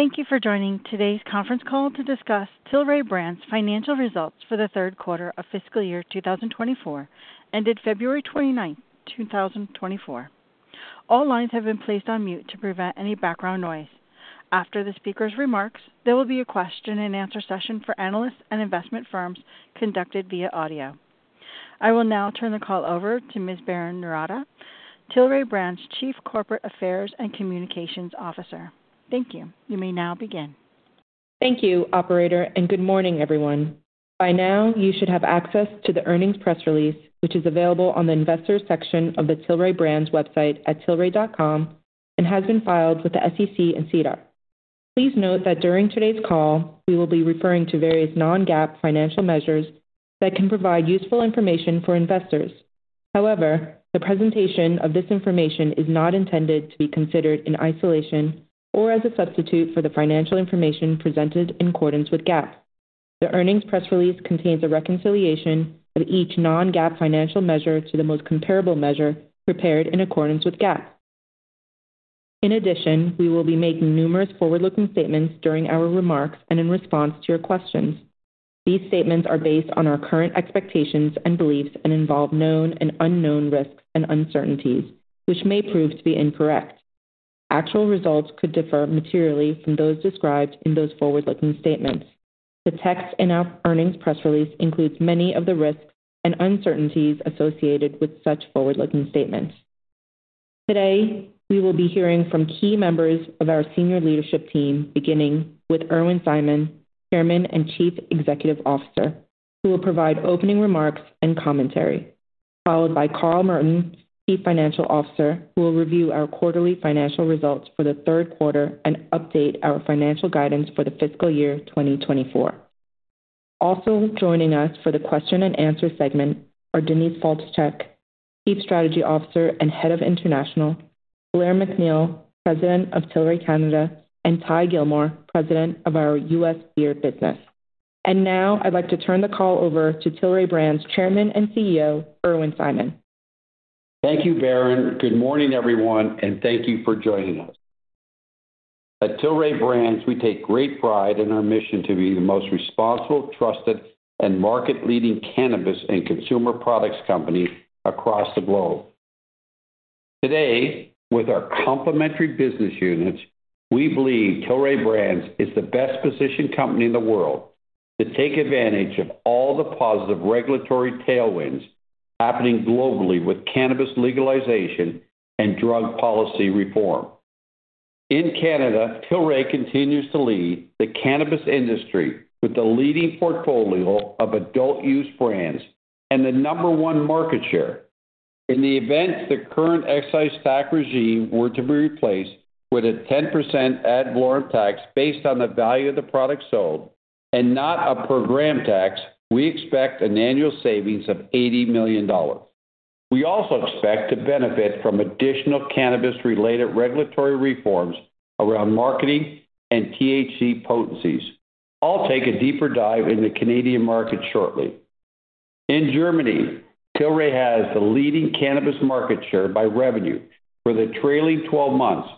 Thank you for joining today's conference call to discuss Tilray Brands' financial results for the Q3 of fiscal year 2024, ended February 29, 2024. All lines have been placed on mute to prevent any background noise. After the speaker's remarks, there will be a question-and-answer session for analysts and investment firms conducted via audio. I will now turn the call over to Ms. Berrin Noorata, Tilray Brands' Chief Corporate Affairs and Communications Officer. Thank you. You may now begin. Thank you, operator, and good morning, everyone. By now, you should have access to the earnings press release, which is available on the Investors section of the Tilray Brands website at tilray.com and has been filed with the SEC and SEDAR. Please note that during today's call, we will be referring to various non-GAAP financial measures that can provide useful information for investors. However, the presentation of this information is not intended to be considered in isolation or as a substitute for the financial information presented in accordance with GAAP. The earnings press release contains a reconciliation of each non-GAAP financial measure to the most comparable measure prepared in accordance with GAAP. In addition, we will be making numerous forward-looking statements during our remarks and in response to your questions. These statements are based on our current expectations and beliefs and involve known and unknown risks and uncertainties, which may prove to be incorrect. Actual results could differ materially from those described in those forward-looking statements. The text in our earnings press release includes many of the risks and uncertainties associated with such forward-looking statements. Today, we will be hearing from key members of our senior leadership team, beginning with Irwin Simon, Chairman and Chief Executive Officer, who will provide opening remarks and commentary, followed by Carl Merton, Chief Financial Officer, who will review our quarterly financial results for the Q3 and update our financial guidance for the fiscal year 2024. Also joining us for the question-and-answer segment are Denise Faltischek, Chief Strategy Officer and Head of International, Blair MacNeil, President of Tilray Canada, and Ty Gilmore, President of our U.S. Beer business. Now I'd like to turn the call over to Tilray Brands' Chairman and CEO, Irwin Simon. Thank you, Berrin. Good morning, everyone, and thank you for joining us. At Tilray Brands, we take great pride in our mission to be the most responsible, trusted, and market-leading cannabis and consumer products company across the globe. Today, with our complementary business units, we believe Tilray Brands is the best-positioned company in the world to take advantage of all the positive regulatory tailwinds happening globally with cannabis legalization and drug policy reform. In Canada, Tilray continues to lead the cannabis industry with the leading portfolio of adult-use brands and the number one market share. In the event the current excise tax regime were to be replaced with a 10% ad valorem tax based on the value of the product sold and not a per gram tax, we expect an annual savings of $80 million. We also expect to benefit from additional cannabis-related regulatory reforms around marketing and THC potencies. I'll take a deeper dive in the Canadian market shortly. In Germany, Tilray has the leading cannabis market share by revenue for the trailing 12 months,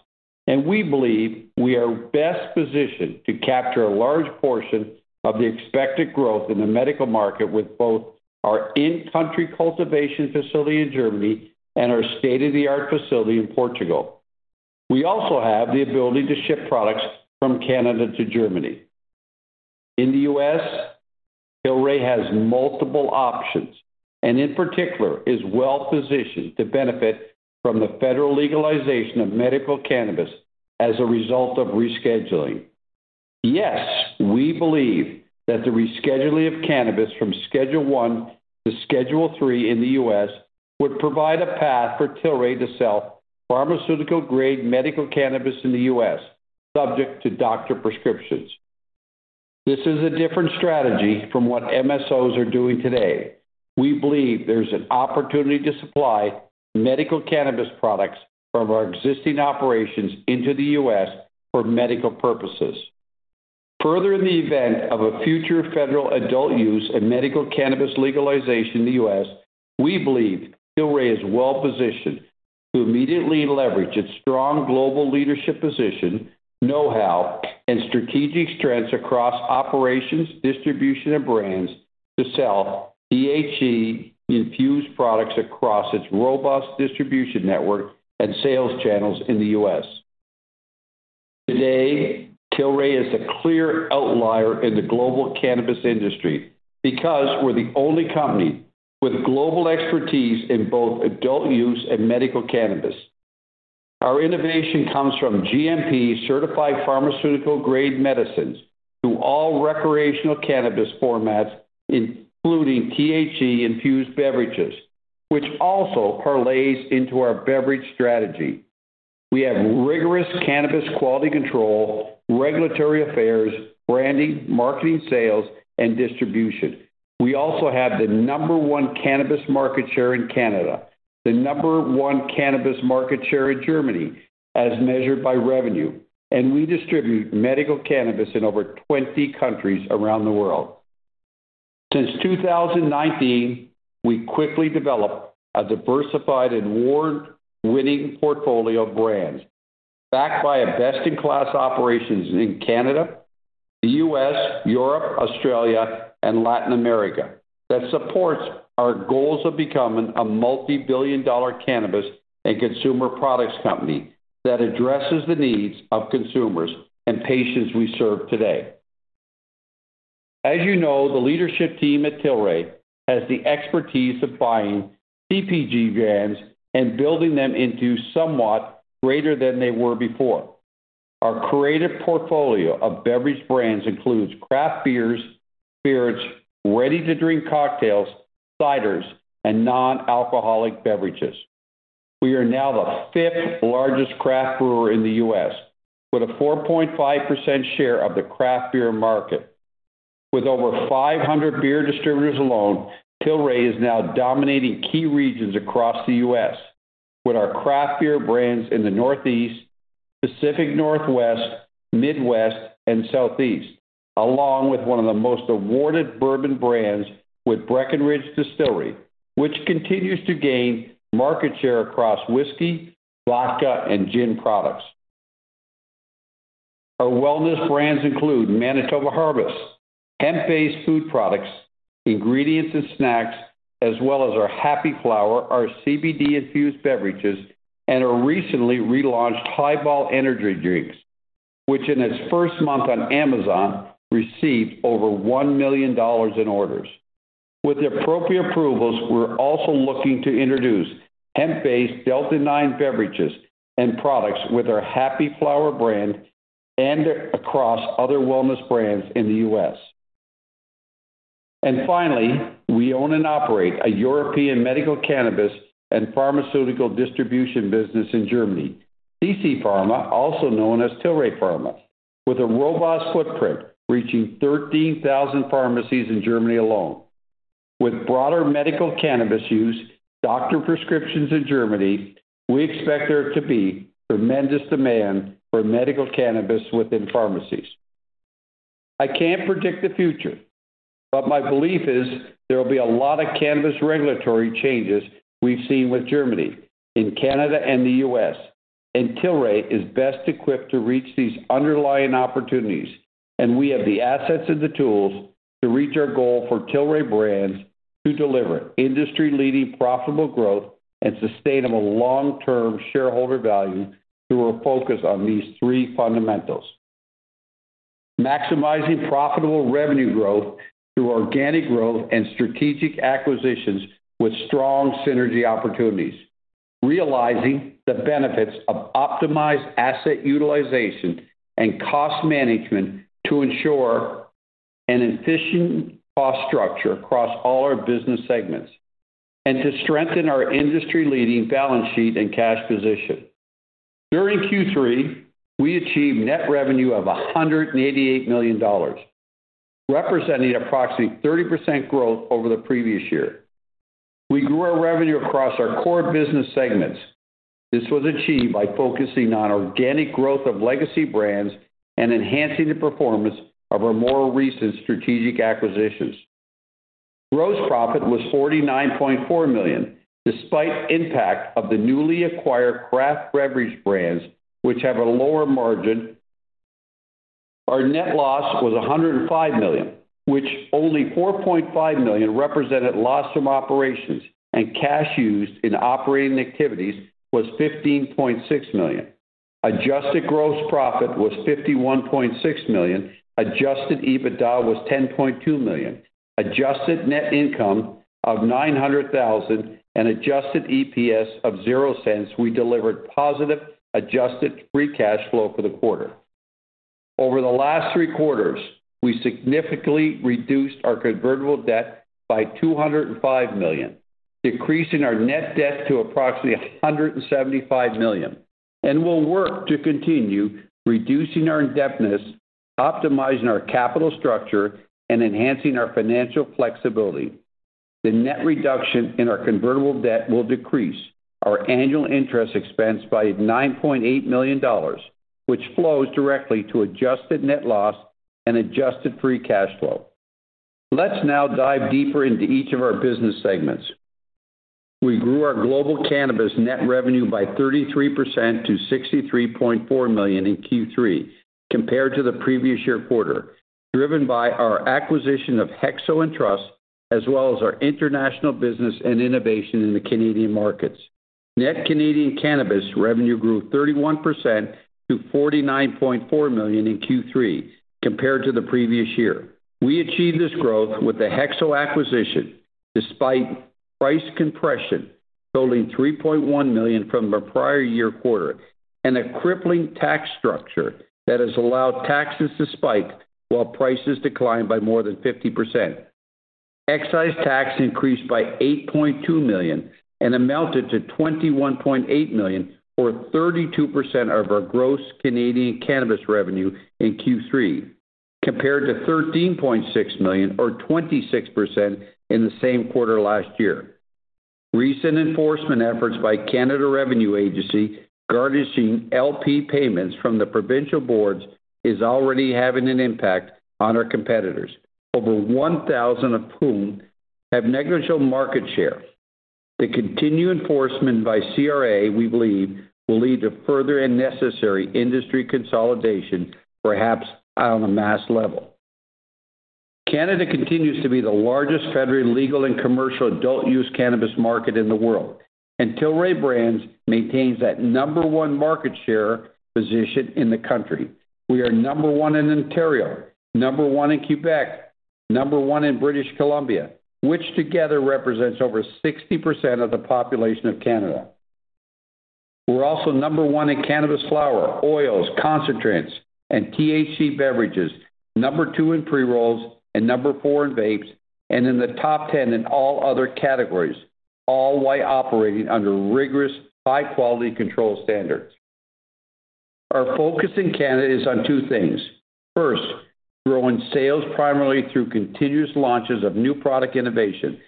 and we believe we are best positioned to capture a large portion of the expected growth in the medical market, with both our in-country cultivation facility in Germany and our state-of-the-art facility in Portugal. We also have the ability to ship products from Canada to Germany. In the U.S., Tilray has multiple options and, in particular, is well positioned to benefit from the federal legalization of medical cannabis as a result of rescheduling. Yes, we believe that the rescheduling of cannabis from Schedule I to Schedule III in the U.S. would provide a path for Tilray to sell pharmaceutical-grade medical cannabis in the U.S., subject to doctor prescriptions. This is a different strategy from what MSOs are doing today. We believe there's an opportunity to supply medical cannabis products from our existing operations into the U.S. for medical purposes. Further, in the event of a future federal adult use and medical cannabis legalization in the U.S., we believe Tilray is well positioned to immediately leverage its strong global leadership position, know-how, and strategic strengths across operations, distribution, and brands to sell THC-infused products across its robust distribution network and sales channels in the U.S. Today, Tilray is a clear outlier in the global cannabis industry because we're the only company with global expertise in both adult use and medical cannabis. Our innovation comes from GMP-certified pharmaceutical-grade medicines to all recreational cannabis formats, including THC-infused beverages, which also parlays into our beverage strategy. We have rigorous cannabis quality control, regulatory affairs, branding, marketing, sales, and distribution. We also have the number one cannabis market share in Canada, the number one cannabis market share in Germany, as measured by revenue, and we distribute medical cannabis in over 20 countries around the world. Since 2019, we quickly developed a diversified and award-winning portfolio of brands, backed by a best-in-class operations in Canada, the U.S., Europe, Australia, and Latin America, that supports our goals of becoming a multi-billion dollar cannabis and consumer products company that addresses the needs of consumers and patients we serve today. As you know, the leadership team at Tilray has the expertise of buying CPG brands and building them into somewhat greater than they were before. Our creative portfolio of beverage brands includes craft beers, spirits, ready-to-drink cocktails, ciders, and non-alcoholic beverages. We are now the fifth largest craft brewer in the U.S., with a 4.5% share of the craft beer market. With over 500 beer distributors alone, Tilray is now dominating key regions across the U.S., with our craft beer brands in the Northeast, Pacific Northwest, Midwest, and Southeast, along with one of the most awarded bourbon brands with Breckenridge Distillery, which continues to gain market share across whiskey, vodka, and gin products. Our wellness brands include Manitoba Harvest, hemp-based food products, ingredients and snacks, as well as our Happy Flower, our CBD-infused beverages, and our recently relaunched Hiball energy drinks, which in its first month on Amazon, received over $1 million in orders. With the appropriate approvals, we're also looking to introduce hemp-based Delta-9 beverages and products with our Happy Flower brand and across other wellness brands in the U.S. And finally, we own and operate a European medical cannabis and pharmaceutical distribution business in Germany. TC Pharma, also known as Tilray Pharma, with a robust footprint reaching 13,000 pharmacies in Germany alone. With broader medical cannabis use, doctor prescriptions in Germany, we expect there to be tremendous demand for medical cannabis within pharmacies. I can't predict the future, but my belief is there will be a lot of cannabis regulatory changes we've seen with Germany, in Canada, and the U.S., and Tilray is best equipped to reach these underlying opportunities, and we have the assets and the tools to reach our goal for Tilray Brands to deliver industry-leading profitable growth and sustainable long-term shareholder value through a focus on these three fundamentals: Maximizing profitable revenue growth through organic growth and strategic acquisitions with strong synergy opportunities. Realizing the benefits of optimized asset utilization and cost management to ensure an efficient cost structure across all our business segments. To strengthen our industry-leading balance sheet and cash position. During Q3, we achieved net revenue of $188 million, representing approximately 30% growth over the previous year. We grew our revenue across our core business segments. This was achieved by focusing on organic growth of legacy brands and enhancing the performance of our more recent strategic acquisitions. Gross profit was $49.4 million, despite impact of the newly acquired craft beverage brands, which have a lower margin. Our net loss was $105 million, which only $4.5 million represented loss from operations, and cash used in operating activities was $15.6 million. Adjusted gross profit was $51.6 million. Adjusted EBITDA was $10.2 million. Adjusted net income of $900,000 and adjusted EPS of $0.00, we delivered positive adjusted free cash flow for the quarter. Over the last three quarters, we significantly reduced our convertible debt by $205 million, decreasing our net debt to approximately $175 million, and we'll work to continue reducing our indebtedness, optimizing our capital structure, and enhancing our financial flexibility. The net reduction in our convertible debt will decrease our annual interest expense by $9.8 million, which flows directly to adjusted net loss and adjusted free cash flow. Let's now dive deeper into each of our business segments. We grew our global cannabis net revenue by 33% to $63.4 million in Q3 compared to the previous year quarter, driven by our acquisition of Hexo and Truss, as well as our international business and innovation in the Canadian markets. Net Canadian cannabis revenue grew 31% to $49.4 million in Q3 compared to the previous year. We achieved this growth with the Hexo acquisition, despite price compression totaling $3.1 million from the prior year quarter, and a crippling tax structure that has allowed taxes to spike while prices declined by more than 50%. Excise tax increased by $8.2 million and amounted to $21.8 million, or 32%, of our gross Canadian cannabis revenue in Q3, compared to $13.6 million, or 26%, in the same quarter last year.... Recent enforcement efforts by Canada Revenue Agency, garnishing LP payments from the provincial boards, is already having an impact on our competitors, over 1,000 of whom have negligible market share. The continued enforcement by CRA, we believe, will lead to further and necessary industry consolidation, perhaps on a mass level. Canada continues to be the largest federally legal and commercial adult-use cannabis market in the world, and Tilray Brands maintains that number 1 market share position in the country. We are number 1 in Ontario, number 1 in Quebec, number 1 in British Columbia, which together represents over 60% of the population of Canada. We're also number 1 in cannabis flower, oils, concentrates, and THC beverages, number 2 in pre-rolls, and number 4 in vapes, and in the top 10 in all other categories, all while operating under rigorous, high-quality control standards. Our focus in Canada is on two things. First, growing sales primarily through continuous launches of new product innovation.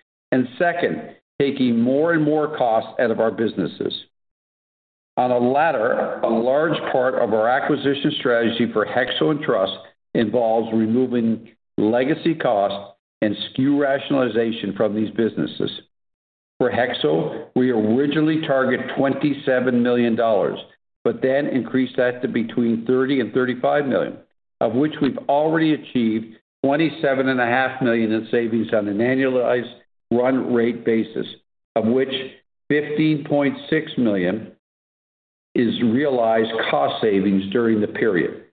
Second, taking more and more costs out of our businesses. On the latter, a large part of our acquisition strategy for Hexo and Trust involves removing legacy costs and SKU rationalization from these businesses. For Hexo, we originally targeted $27 million, but then increased that to between $30 million and $35 million, of which we've already achieved $27.5 million in savings on an annualized run rate basis, of which $15.6 million is realized cost savings during the period.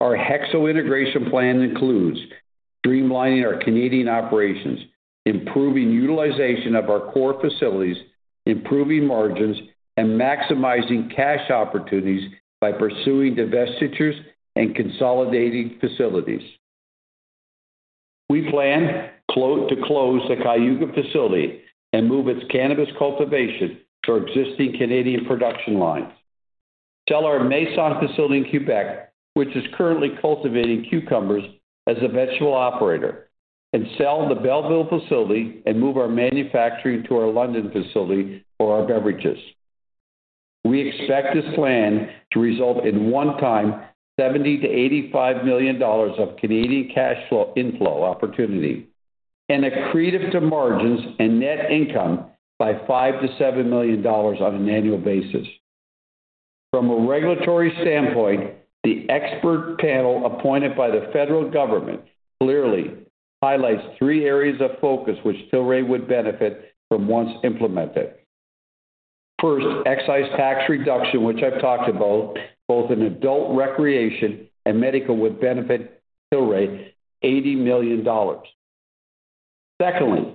Our Hexo integration plan includes streamlining our Canadian operations, improving utilization of our core facilities, improving margins, and maximizing cash opportunities by pursuing divestitures and consolidating facilities. We plan to close the Cayuga facility and move its cannabis cultivation to our existing Canadian production lines, sell our Masson facility in Quebec, which is currently cultivating cucumbers as a virtual operator, and sell the Belleville facility and move our manufacturing to our London facility for our beverages. We expect this plan to result in one-time 70 million-85 million dollars of Canadian cash flow inflow opportunity and accretive to margins and net income by $5 million-$7 million on an annual basis. From a regulatory standpoint, the expert panel appointed by the federal government clearly highlights three areas of focus, which Tilray would benefit from once implemented. First, excise tax reduction, which I've talked about, both in adult recreation and medical, would benefit Tilray $80 million. Secondly,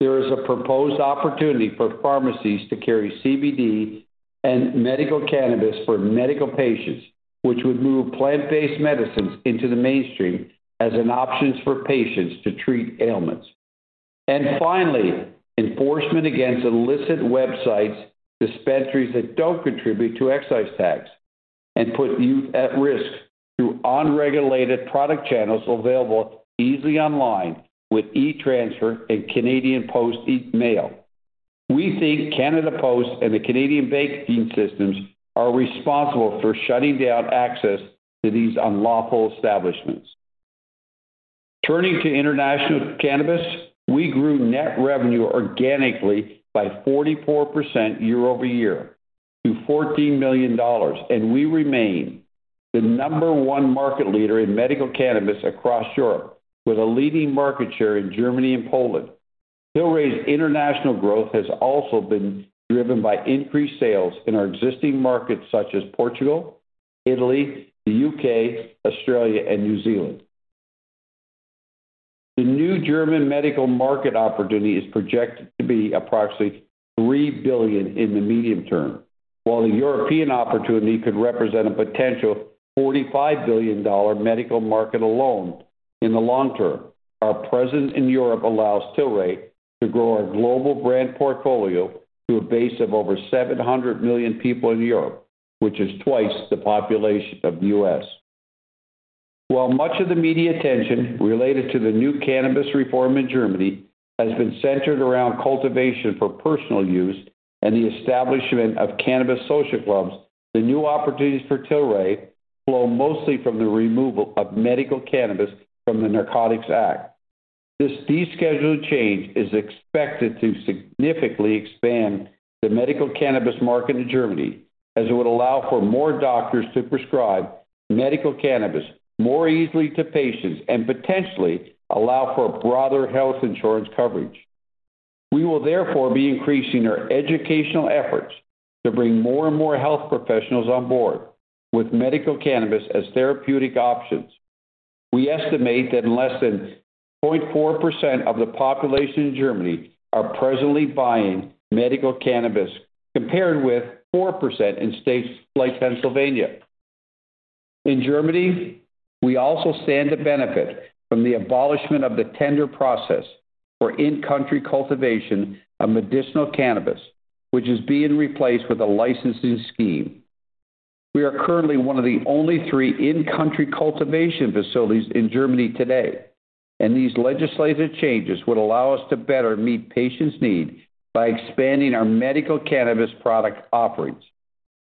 there is a proposed opportunity for pharmacies to carry CBD and medical cannabis for medical patients, which would move plant-based medicines into the mainstream as an option for patients to treat ailments. Finally, enforcement against illicit websites, dispensaries that don't contribute to excise tax and put youth at risk through unregulated product channels available easily online with e-Transfer and Canada Post email. We think Canada Post and the Canadian banking systems are responsible for shutting down access to these unlawful establishments. Turning to international cannabis, we grew net revenue organically by 44% year-over-year to $14 million, and we remain the number one market leader in medical cannabis across Europe, with a leading market share in Germany and Poland. Tilray's international growth has also been driven by increased sales in our existing markets such as Portugal, Italy, the U.K., Australia, and New Zealand. The new German medical market opportunity is projected to be approximately $3 billion in the medium term, while the European opportunity could represent a potential $45 billion medical market alone in the long term. Our presence in Europe allows Tilray to grow our global brand portfolio to a base of over 700 million people in Europe, which is twice the population of the U.S. While much of the media attention related to the new cannabis reform in Germany has been centered around cultivation for personal use and the establishment of cannabis social clubs, the new opportunities for Tilray flow mostly from the removal of medical cannabis from the Narcotics Act. This deschedule change is expected to significantly expand the medical cannabis market in Germany, as it would allow for more doctors to prescribe medical cannabis more easily to patients and potentially allow for broader health insurance coverage. We will therefore be increasing our educational efforts to bring more and more health professionals on board with medical cannabis as therapeutic options. We estimate that less than 0.4% of the population in Germany are presently buying medical cannabis, compared with 4% in states like Pennsylvania. In Germany, we also stand to benefit from the abolishment of the tender process for in-country cultivation of medicinal cannabis, which is being replaced with a licensing scheme. We are currently one of the only three in-country cultivation facilities in Germany today, and these legislative changes would allow us to better meet patients' needs by expanding our medical cannabis product offerings.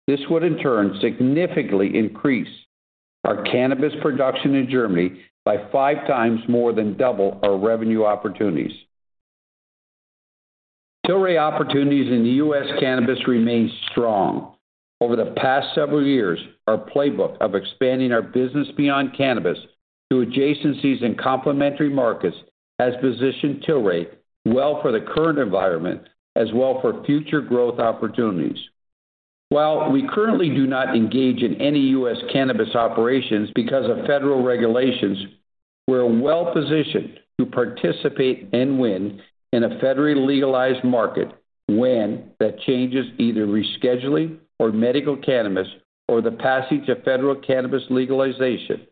This would, in turn, significantly increase our cannabis production in Germany by five times more than double our revenue opportunities. Tilray opportunities in the U.S. cannabis remain strong. Over the past several years, our playbook of expanding our business beyond cannabis to adjacencies and complementary markets has positioned Tilray well for the current environment as well for future growth opportunities. While we currently do not engage in any U.S. cannabis operations because of federal regulations, we're well-positioned to participate and win in a federally legalized market when that changes, either rescheduling or medical cannabis or the passage of federal cannabis legalization.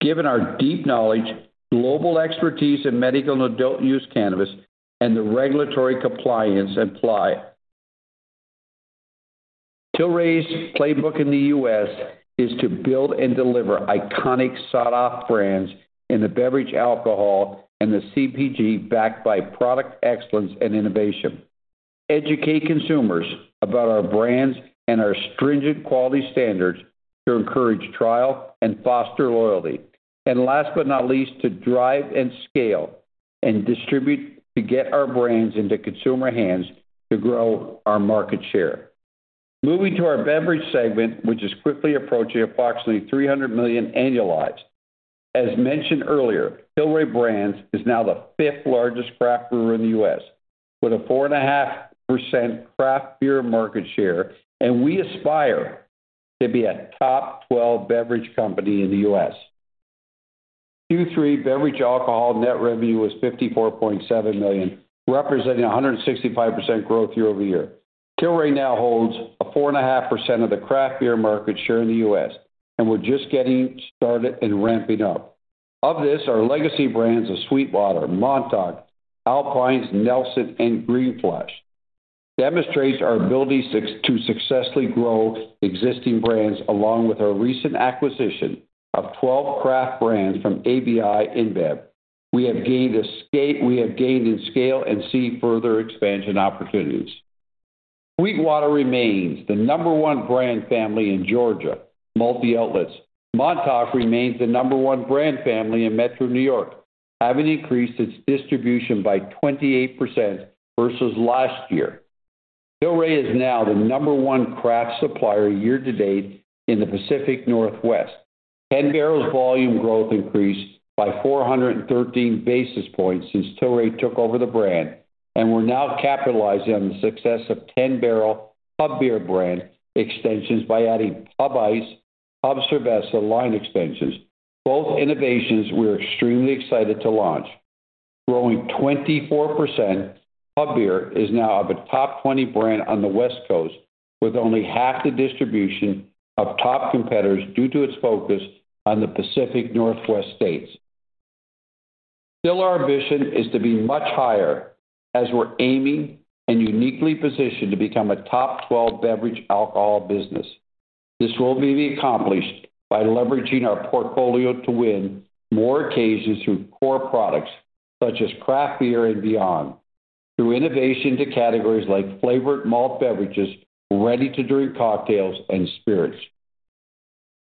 Given our deep knowledge, global expertise in medical and adult use cannabis, and the regulatory compliance and policy. Tilray's playbook in the U.S. is to build and deliver iconic, sought-after brands in the beverage, alcohol, and the CPG, backed by product excellence and innovation, educate consumers about our brands and our stringent quality standards to encourage trial and foster loyalty, and last but not least, to drive and scale and distribute to get our brands into consumer hands to grow our market share. Moving to our beverage segment, which is quickly approaching approximately $300 million annualized. As mentioned earlier, Tilray Brands is now the fifth-largest craft brewer in the U.S., with a 4.5% craft beer market share, and we aspire to be a top 12 beverage company in the U.S. Q3 beverage alcohol net revenue was $54.7 million, representing 165% growth year-over-year. Tilray now holds 4.5% of the craft beer market share in the U.S., and we're just getting started in ramping up. Of this, our legacy brands of SweetWater, Montauk, Alpine, Nelson, and Green Flash demonstrates our ability to successfully grow existing brands, along with our recent acquisition of 12 craft brands from AB InBev. We have gained in scale and see further expansion opportunities. SweetWater remains the number one brand family in Georgia, multi-outlets. Montauk remains the number one brand family in Metro New York, having increased its distribution by 28% versus last year. Tilray is now the number one craft supplier year to date in the Pacific Northwest. 10 Barrel's volume growth increased by 413 basis points since Tilray took over the brand, and we're now capitalizing on the success of 10 Barrel Pub Beer brand extensions by adding Pub Ice, Pub Cerveza line extensions. Both innovations we're extremely excited to launch. Growing 24%, Pub Beer is now a top 20 brand on the West Coast, with only half the distribution of top competitors due to its focus on the Pacific Northwest states. Still, our ambition is to be much higher, as we're aiming and uniquely positioned to become a top 12 beverage alcohol business. This will be accomplished by leveraging our portfolio to win more occasions through core products such as craft beer and beyond, through innovation to categories like flavored malt beverages, ready-to-drink cocktails, and spirits.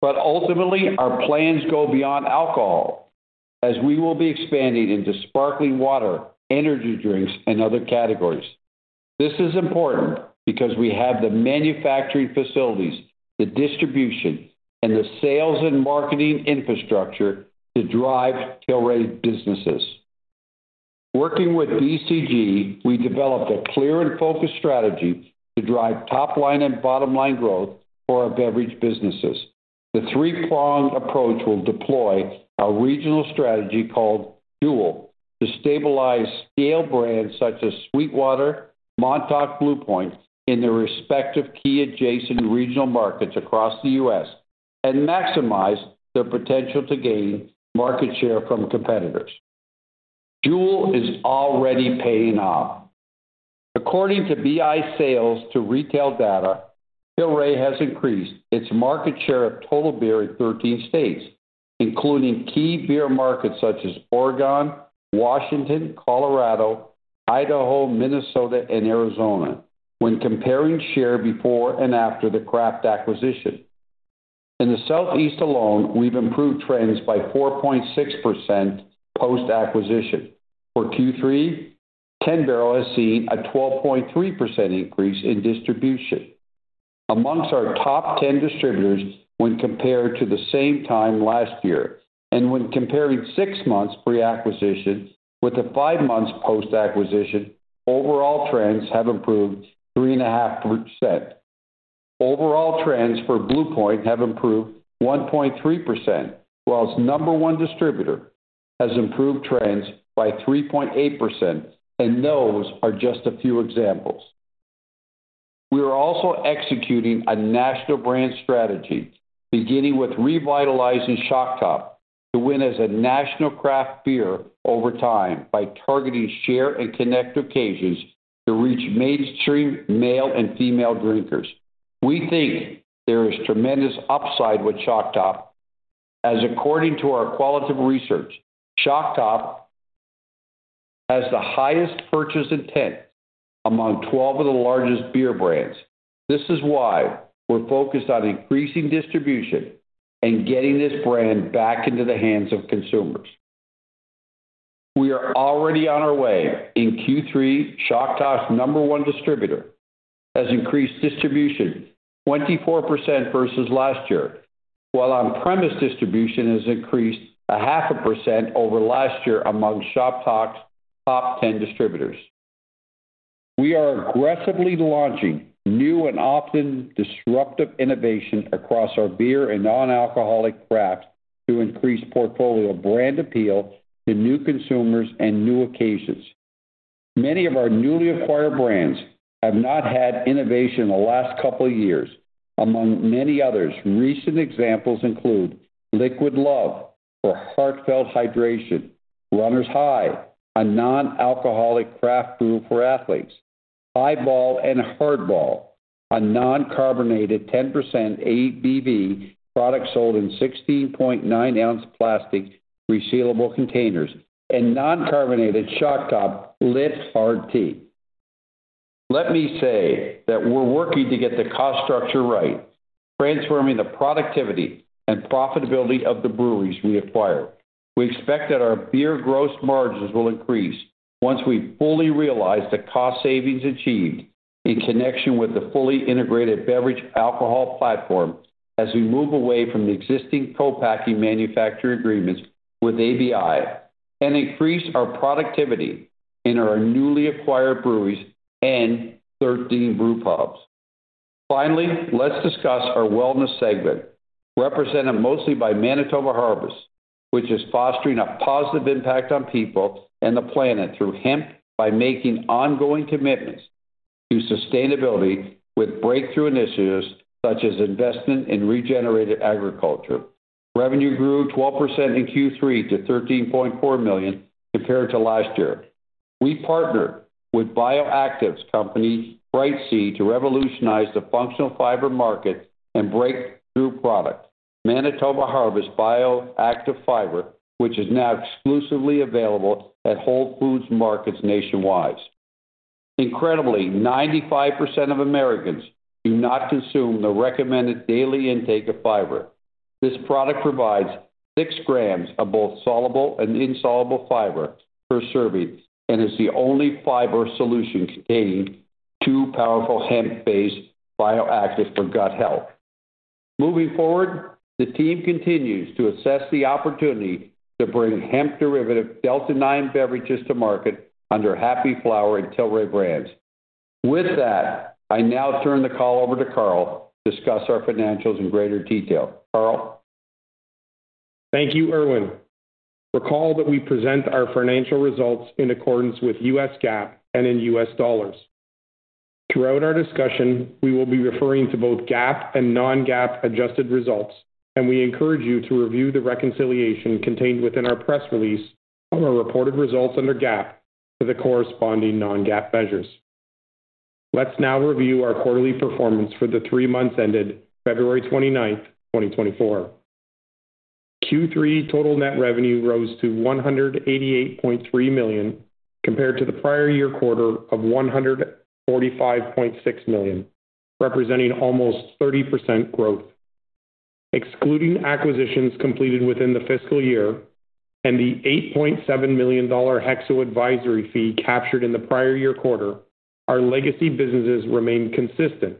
Ultimately, our plans go beyond alcohol, as we will be expanding into sparkling water, energy drinks, and other categories. This is important because we have the manufacturing facilities, the distribution, and the sales and marketing infrastructure to drive Tilray businesses. Working with BCG, we developed a clear and focused strategy to drive top-line and bottom-line growth for our beverage businesses. The three-pronged approach will deploy a regional strategy called Dual to stabilize scale brands such as SweetWater, Montauk, Blue Point, in their respective key adjacent regional markets across the U.S. and maximize their potential to gain market share from competitors. Dual is already paying off. According to VIP sales to retail data, Tilray has increased its market share of total beer in 13 states, including key beer markets such as Oregon, Washington, Colorado, Idaho, Minnesota, and Arizona when comparing share before and after the craft acquisition. In the Southeast alone, we've improved trends by 4.6% post-acquisition. For Q3, Ten Barrel has seen a 12.3% increase in distribution amongst our top 10 distributors when compared to the same time last year. When comparing 6 months pre-acquisition with the 5 months post-acquisition, overall trends have improved 3.5%. Overall trends for Blue Point have improved 1.3%, while its number one distributor has improved trends by 3.8%, and those are just a few examples. We are also executing a national brand strategy, beginning with revitalizing Shock Top … to win as a national craft beer over time by targeting share and connect occasions to reach mainstream male and female drinkers. We think there is tremendous upside with Shock Top, as according to our qualitative research, Shock Top has the highest purchase intent among 12 of the largest beer brands. This is why we're focused on increasing distribution and getting this brand back into the hands of consumers. We are already on our way. In Q3, Shock Top's number one distributor has increased distribution 24% versus last year, while on-premise distribution has increased 0.5% over last year among Shock Top's top 10 distributors. We are aggressively launching new and often disruptive innovation across our beer and non-alcoholic crafts to increase portfolio brand appeal to new consumers and new occasions. Many of our newly acquired brands have not had innovation in the last couple of years. Among many others, recent examples include Liquid Love for heartfelt hydration, Runner's High, a non-alcoholic craft brew for athletes, High Ball and Hardball, a non-carbonated 10% ABV product sold in 16.9-ounce plastic resealable containers, and non-carbonated Shock Top L.I.T. Hard Tea. Let me say that we're working to get the cost structure right, transforming the productivity and profitability of the breweries we acquired. We expect that our beer gross margins will increase once we fully realize the cost savings achieved in connection with the fully integrated beverage alcohol platform, as we move away from the existing co-packing manufacturing agreements with ABI, and increase our productivity in our newly acquired breweries and 13 brewpubs. Finally, let's discuss our wellness segment, represented mostly by Manitoba Harvest, which is fostering a positive impact on people and the planet through hemp, by making ongoing commitments to sustainability with breakthrough initiatives, such as investment in regenerative agriculture. Revenue grew 12% in Q3 to $13.4 million compared to last year. We partnered with bioactives company, Brightseed, to revolutionize the functional fiber market and breakthrough product, Manitoba Harvest Bioactive Fiber, which is now exclusively available at Whole Foods markets nationwide. Incredibly, 95% of Americans do not consume the recommended daily intake of fiber. This product provides 6 grams of both soluble and insoluble fiber per serving, and is the only fiber solution containing two powerful hemp-based bioactives for gut health. Moving forward, the team continues to assess the opportunity to bring hemp-derivative Delta-9 beverages to market under Happy Flower and Tilray brands. With that, I now turn the call over to Carl to discuss our financials in greater detail. Carl? Thank you, Irwin. Recall that we present our financial results in accordance with US GAAP and in US dollars. Throughout our discussion, we will be referring to both GAAP and non-GAAP adjusted results, and we encourage you to review the reconciliation contained within our press release of our reported results under GAAP to the corresponding non-GAAP measures. Let's now review our quarterly performance for the three months ended February 29, 2024. Q3 total net revenue rose to $188.3 million, compared to the prior year quarter of $145.6 million, representing almost 30% growth. Excluding acquisitions completed within the fiscal year and the $8.7 million dollar Hexo advisory fee captured in the prior year quarter, our legacy businesses remained consistent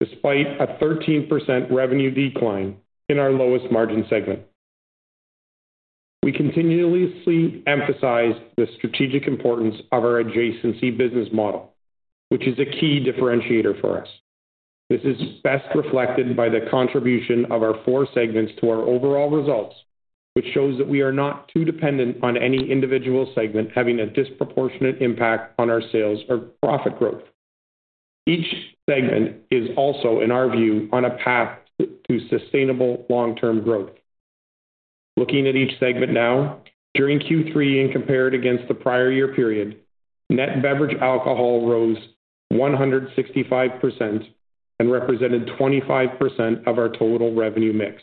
despite a 13% revenue decline in our lowest margin segment. We continuously emphasize the strategic importance of our adjacency business model, which is a key differentiator for us. This is best reflected by the contribution of our four segments to our overall results, which shows that we are not too dependent on any individual segment having a disproportionate impact on our sales or profit growth. Each segment is also, in our view, on a path to sustainable long-term growth. Looking at each segment now, during Q3 and compared against the prior year period, net beverage alcohol rose 165% and represented 25% of our total revenue mix,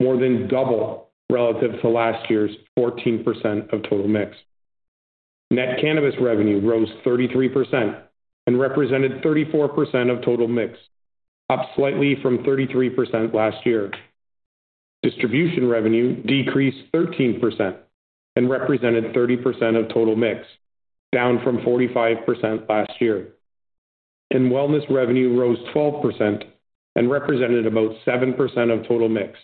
more than double relative to last year's 14% of total mix. Net cannabis revenue rose 33% and represented 34% of total mix, up slightly from 33% last year. Distribution revenue decreased 13% and represented 30% of total mix, down from 45% last year. Wellness revenue rose 12% and represented about 7% of total mix,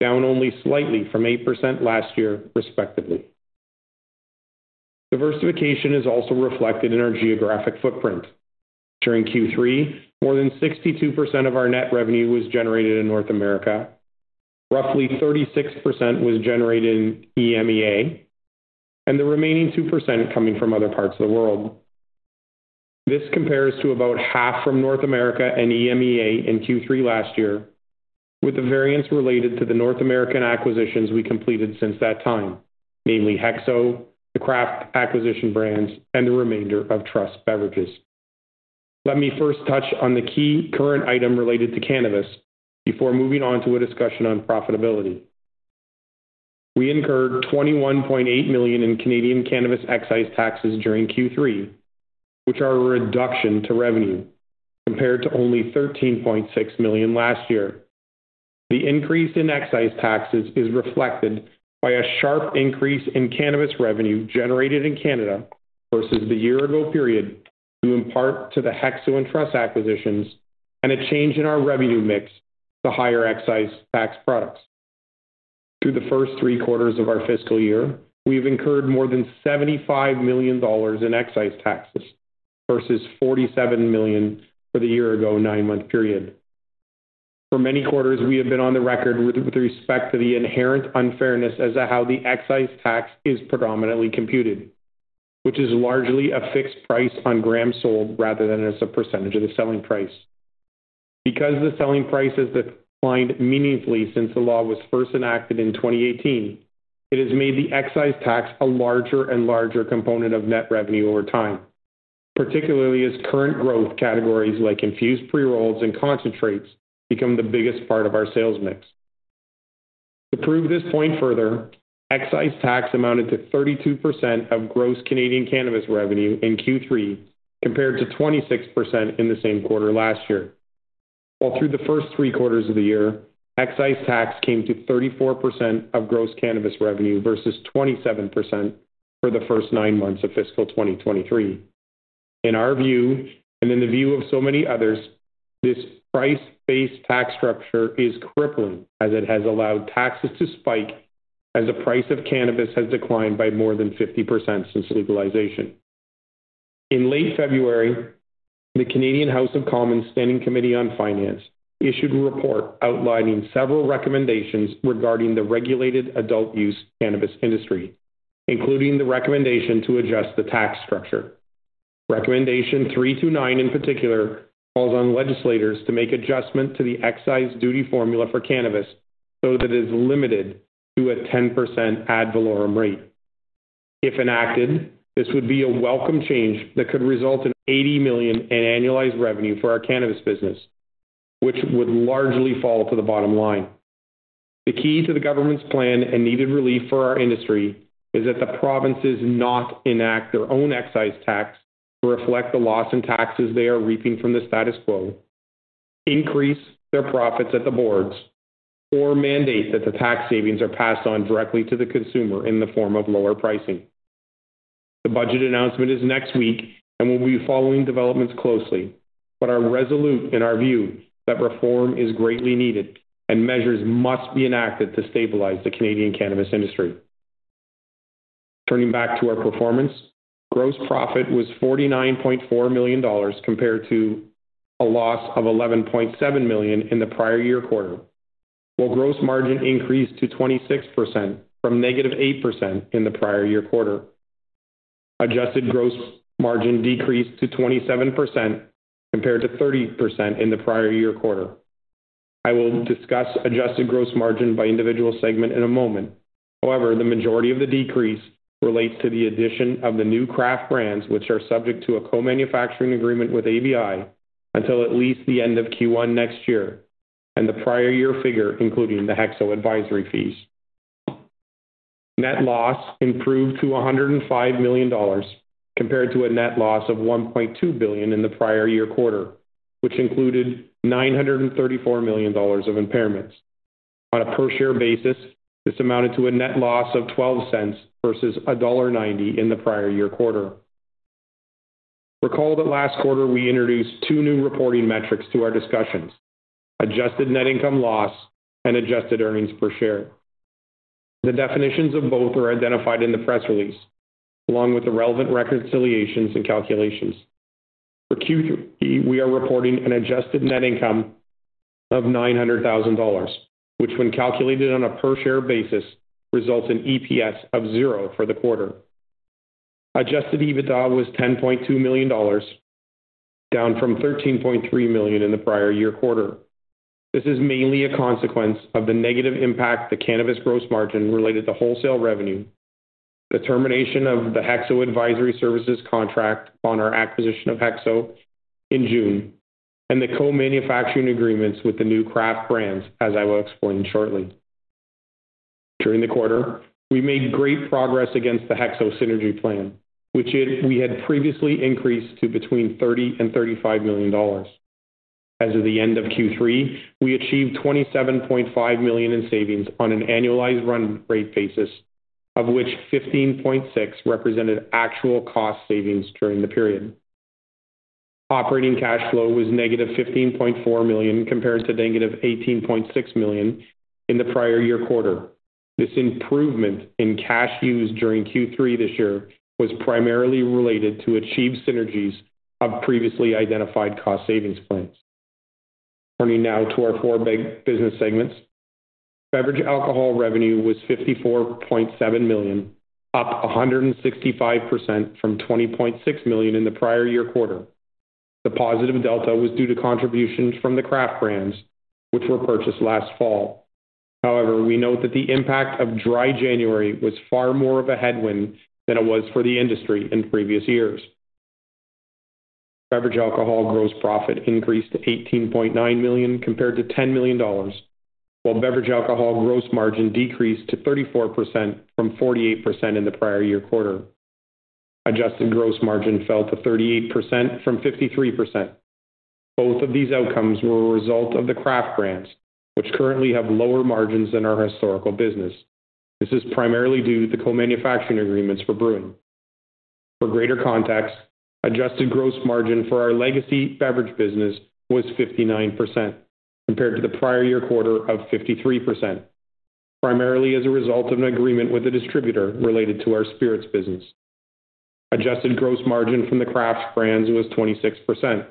down only slightly from 8% last year, respectively. Diversification is also reflected in our geographic footprint. During Q3, more than 62% of our net revenue was generated in North America, roughly 36% was generated in EMEA, and the remaining 2% coming from other parts of the world. This compares to about half from North America and EMEA in Q3 last year, with the variance related to the North American acquisitions we completed since that time, namely HEXO, the craft acquisition brands, and the remainder of Truss Beverages. Let me first touch on the key current item related to cannabis before moving on to a discussion on profitability. We incurred $21.8 million in Canadian cannabis excise taxes during Q3, which are a reduction to revenue compared to only $13.6 million last year. The increase in excise taxes is reflected by a sharp increase in cannabis revenue generated in Canada versus the year ago period, due in part to the HEXO and Trust acquisitions, and a change in our revenue mix to higher excise tax products. Through the first three quarters of our fiscal year, we've incurred more than $75 million in excise taxes versus $47 million for the year ago nine-month period. For many quarters, we have been on the record with respect to the inherent unfairness as to how the excise tax is predominantly computed, which is largely a fixed price on grams sold rather than as a percentage of the selling price. Because the selling price has declined meaningfully since the law was first enacted in 2018, it has made the excise tax a larger and larger component of net revenue over time, particularly as current growth categories like infused pre-rolls and concentrates become the biggest part of our sales mix. To prove this point further, excise tax amounted to 32% of gross Canadian cannabis revenue in Q3, compared to 26% in the same quarter last year. While through the first three quarters of the year, excise tax came to 34% of gross cannabis revenue versus 27% for the first nine months of fiscal 2023. In our view, and in the view of so many others, this price-based tax structure is crippling as it has allowed taxes to spike, as the price of cannabis has declined by more than 50% since legalization. In late February, the Canadian House of Commons Standing Committee on Finance issued a report outlining several recommendations regarding the regulated adult use cannabis industry, including the recommendation to adjust the tax structure. Recommendation 3-9 in particular calls on legislators to make adjustment to the excise duty formula for cannabis so that it is limited to a 10% ad valorem rate. If enacted, this would be a welcome change that could result in $80 million in annualized revenue for our cannabis business, which would largely fall to the bottom line. The key to the government's plan and needed relief for our industry is that the provinces not enact their own excise tax to reflect the loss in taxes they are reaping from the status quo, increase their profits at the boards, or mandate that the tax savings are passed on directly to the consumer in the form of lower pricing. The budget announcement is next week, and we'll be following developments closely, but are resolute in our view that reform is greatly needed and measures must be enacted to stabilize the Canadian cannabis industry. Turning back to our performance, gross profit was $49.4 million compared to a loss of $11.7 million in the prior year quarter, while gross margin increased to 26% from -8% in the prior year quarter. Adjusted gross margin decreased to 27% compared to 30% in the prior year quarter. I will discuss adjusted gross margin by individual segment in a moment. However, the majority of the decrease relates to the addition of the new craft brands, which are subject to a co-manufacturing agreement with ABI until at least the end of Q1 next year, and the prior year figure, including the HEXO advisory fees. Net loss improved to $105 million, compared to a net loss of $1.2 billion in the prior year quarter, which included $934 million of impairments. On a per-share basis, this amounted to a net loss of $0.12 versus $1.90 in the prior year quarter. Recall that last quarter we introduced two new reporting metrics to our discussions: adjusted net income loss and adjusted earnings per share. The definitions of both are identified in the press release, along with the relevant reconciliations and calculations. For Q3, we are reporting an adjusted net income of $900,000, which, when calculated on a per-share basis, results in EPS of zero for the quarter. Adjusted EBITDA was $10.2 million, down from $13.3 million in the prior year quarter. This is mainly a consequence of the negative impact the cannabis gross margin related to wholesale revenue, the termination of the HEXO advisory services contract on our acquisition of HEXO in June, and the co-manufacturing agreements with the new craft brands, as I will explain shortly. During the quarter, we made great progress against the HEXO synergy plan, which is... We had previously increased to between $30 million and $35 million. As of the end of Q3, we achieved $27.5 million in savings on an annualized run rate basis, of which $15.6 million represented actual cost savings during the period. Operating cash flow was negative $15.4 million, compared to negative $18.6 million in the prior year quarter. This improvement in cash use during Q3 this year was primarily related to achieve synergies of previously identified cost savings plans. Turning now to our four big business segments. Beverage alcohol revenue was $54.7 million, up 165% from $20.6 million in the prior year quarter. The positive delta was due to contributions from the craft brands, which were purchased last fall. However, we note that the impact of dry January was far more of a headwind than it was for the industry in previous years. Beverage alcohol gross profit increased to $18.9 million compared to $10 million, while beverage alcohol gross margin decreased to 34% from 48% in the prior year quarter. Adjusted gross margin fell to 38% from 53%. Both of these outcomes were a result of the craft brands, which currently have lower margins than our historical business. This is primarily due to co-manufacturing agreements for brewing. For greater context, adjusted gross margin for our legacy beverage business was 59%, compared to the prior year quarter of 53%, primarily as a result of an agreement with a distributor related to our spirits business. Adjusted gross margin from the craft brands was 26%.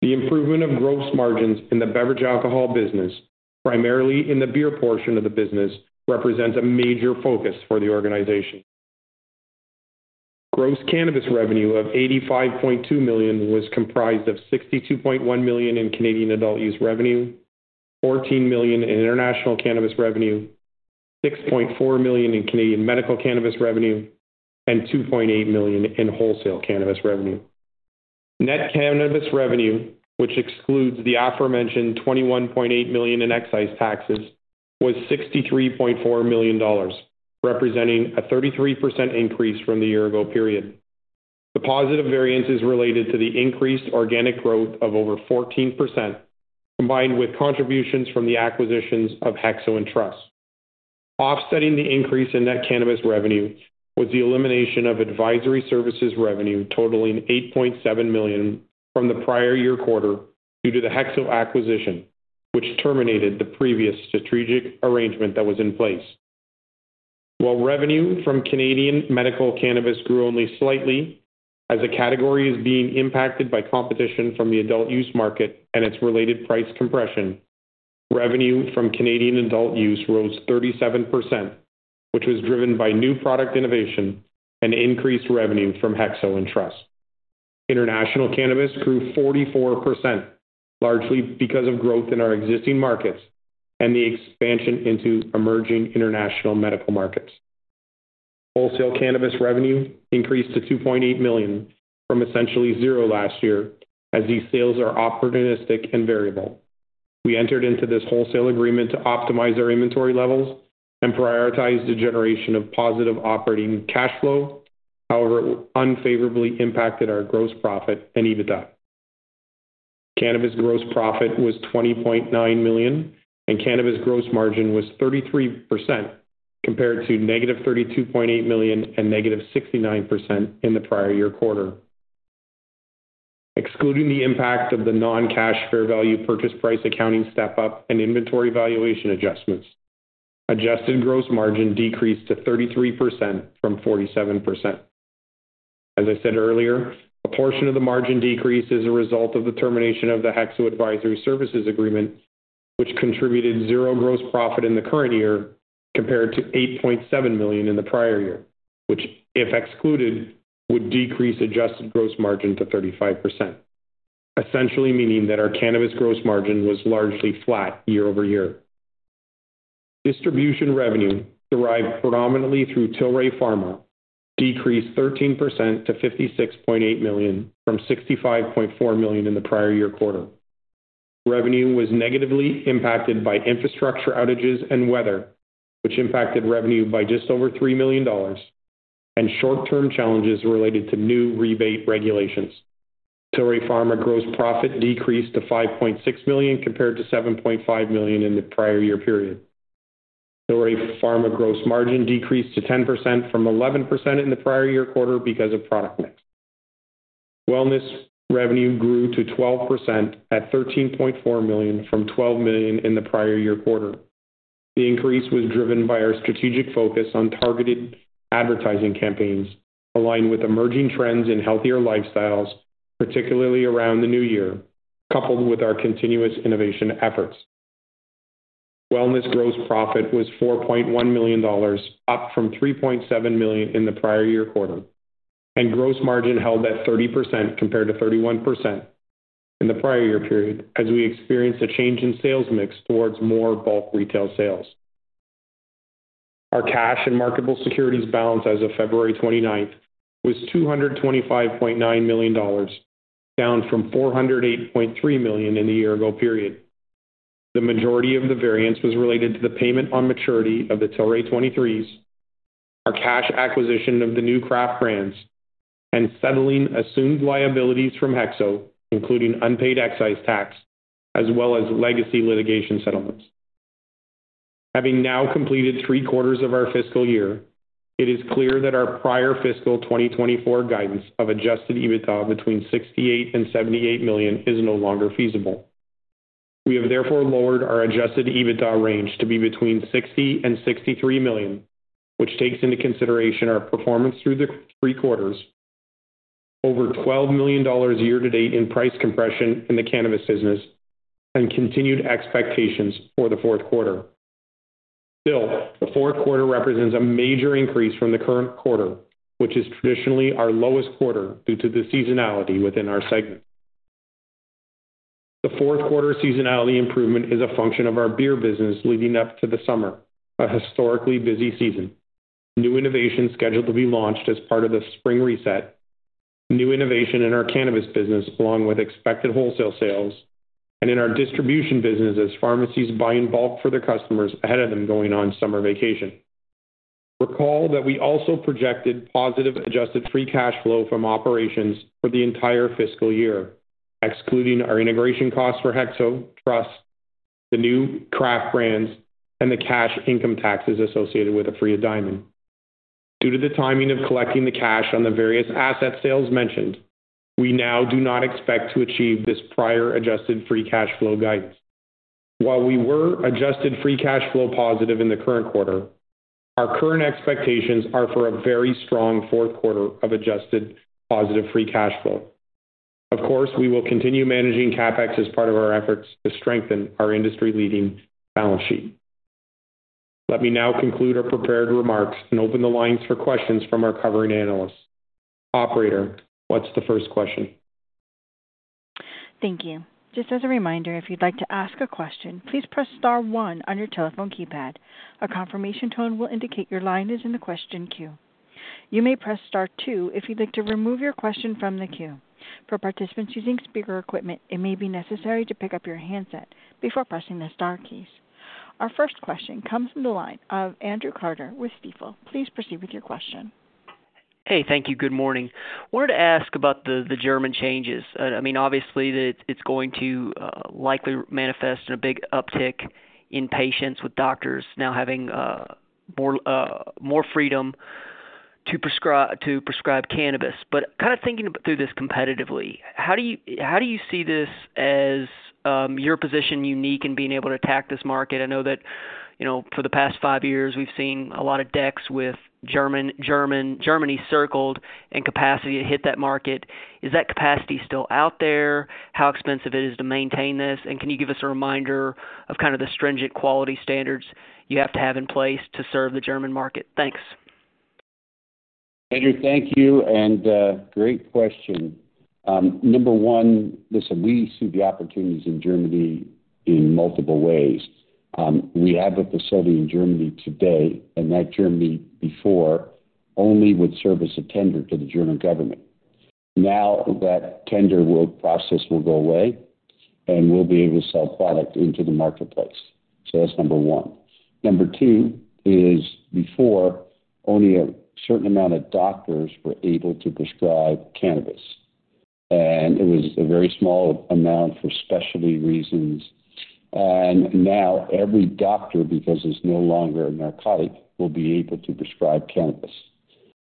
The improvement of gross margins in the beverage alcohol business, primarily in the beer portion of the business, represents a major focus for the organization. Gross cannabis revenue of $85.2 million was comprised of $62.1 million in Canadian adult use revenue, $14 million in international cannabis revenue, $6.4 million in Canadian medical cannabis revenue, and $2.8 million in wholesale cannabis revenue. Net cannabis revenue, which excludes the aforementioned $21.8 million in excise taxes, was $63.4 million, representing a 33% increase from the year ago period. The positive variance is related to the increased organic growth of over 14%, combined with contributions from the acquisitions of Hexo and Trust. Offsetting the increase in net cannabis revenue was the elimination of advisory services revenue totaling $8.7 million from the prior year quarter due to the Hexo acquisition, which terminated the previous strategic arrangement that was in place. While revenue from Canadian medical cannabis grew only slightly, as a category is being impacted by competition from the adult use market and its related price compression, revenue from Canadian adult use rose 37%, which was driven by new product innovation and increased revenue from Hexo and Trust. International cannabis grew 44%, largely because of growth in our existing markets and the expansion into emerging international medical markets. Wholesale cannabis revenue increased to $2.8 million from essentially 0 last year, as these sales are opportunistic and variable. We entered into this wholesale agreement to optimize our inventory levels and prioritize the generation of positive operating cash flow. However, it unfavorably impacted our gross profit and EBITDA. Cannabis gross profit was $20.9 million, and cannabis gross margin was 33% compared to -$32.8 million and -69% in the prior-year quarter. Excluding the impact of the non-cash fair value, purchase price, accounting step up, and inventory valuation adjustments, adjusted gross margin decreased to 33% from 47%. As I said earlier, a portion of the margin decrease is a result of the termination of the Hexo Advisory Services Agreement, which contributed $0 in the current year compared to $8.7 million in the prior year, which, if excluded, would decrease adjusted gross margin to 35%. Essentially meaning that our cannabis gross margin was largely flat year-over-year. Distribution revenue, derived predominantly through Tilray Pharma, decreased 13% to $56.8 million from $65.4 million in the prior-year quarter. Revenue was negatively impacted by infrastructure outages and weather, which impacted revenue by just over $3 million and short-term challenges related to new rebate regulations. Tilray Pharma gross profit decreased to $5.6 million compared to $7.5 million in the prior year period. Tilray Pharma gross margin decreased to 10% from 11% in the prior year quarter because of product mix. Wellness revenue grew to 12% at $13.4 million from $12 million in the prior year quarter. The increase was driven by our strategic focus on targeted advertising campaigns, aligned with emerging trends in healthier lifestyles, particularly around the new year, coupled with our continuous innovation efforts. Wellness gross profit was $4.1 million, up from $3.7 million in the prior year quarter, and gross margin held at 30% compared to 31% in the prior year period, as we experienced a change in sales mix towards more bulk retail sales. Our cash and marketable securities balance as of February 29th was $225.9 million, down from $408.3 million in the year ago period. The majority of the variance was related to the payment on maturity of the Tilray 2023s, our cash acquisition of the new craft brands, and settling assumed liabilities from Hexo, including unpaid excise tax, as well as legacy litigation settlements. Having now completed three quarters of our fiscal year, it is clear that our prior fiscal 2024 guidance of Adjusted EBITDA between $68 million-$78 million is no longer feasible. We have therefore lowered our Adjusted EBITDA range to be between $60 million-$63 million, which takes into consideration our performance through the three quarters.... over $12 million year-to-date in price compression in the cannabis business and continued expectations for the Q4. Still, the Q4 represents a major increase from the current quarter, which is traditionally our lowest quarter due to the seasonality within our segment. The Q4 seasonality improvement is a function of our beer business leading up to the summer, a historically busy season. New innovation scheduled to be launched as part of the spring reset, new innovation in our cannabis business, along with expected wholesale sales, and in our distribution business as pharmacies buy in bulk for their customers ahead of them going on summer vacation. Recall that we also projected positive Adjusted Free Cash Flow from operations for the entire fiscal year, excluding our integration costs for HEXO, Trust, the new craft brands, and the cash income taxes associated with Aphria Diamond. Due to the timing of collecting the cash on the various asset sales mentioned, we now do not expect to achieve this prior adjusted free cash flow guidance. While we were adjusted free cash flow positive in the current quarter, our current expectations are for a very strong Q4 of adjusted positive free cash flow. Of course, we will continue managing CapEx as part of our efforts to strengthen our industry-leading balance sheet. Let me now conclude our prepared remarks and open the lines for questions from our covering analysts. Operator, what's the first question? Thank you. Just as a reminder, if you'd like to ask a question, please press star one on your telephone keypad. A confirmation tone will indicate your line is in the question queue. You may press star two if you'd like to remove your question from the queue. For participants using speaker equipment, it may be necessary to pick up your handset before pressing the star keys. Our first question comes from the line of Andrew Carter with Stifel. Please proceed with your question. Hey, thank you. Good morning. Wanted to ask about the German changes. I mean, obviously, it's going to likely manifest in a big uptick in patients with doctors now having more freedom to prescribe cannabis. But kind of thinking through this competitively, how do you see this as your position unique in being able to attack this market? I know that, you know, for the past five years, we've seen a lot of decks with Germany circled and capacity to hit that market. Is that capacity still out there? How expensive is it to maintain this? And can you give us a reminder of kind of the stringent quality standards you have to have in place to serve the German market? Thanks. Andrew, thank you, and great question. Number one, listen, we see the opportunities in Germany in multiple ways. We have a facility in Germany today, and that in Germany before only would serve as a tender to the German government. Now that tender work process will go away, and we'll be able to sell product into the marketplace. So that's number one. Number two is, before, only a certain amount of doctors were able to prescribe cannabis, and it was a very small amount for specialty reasons. And now every doctor, because it's no longer a narcotic, will be able to prescribe cannabis.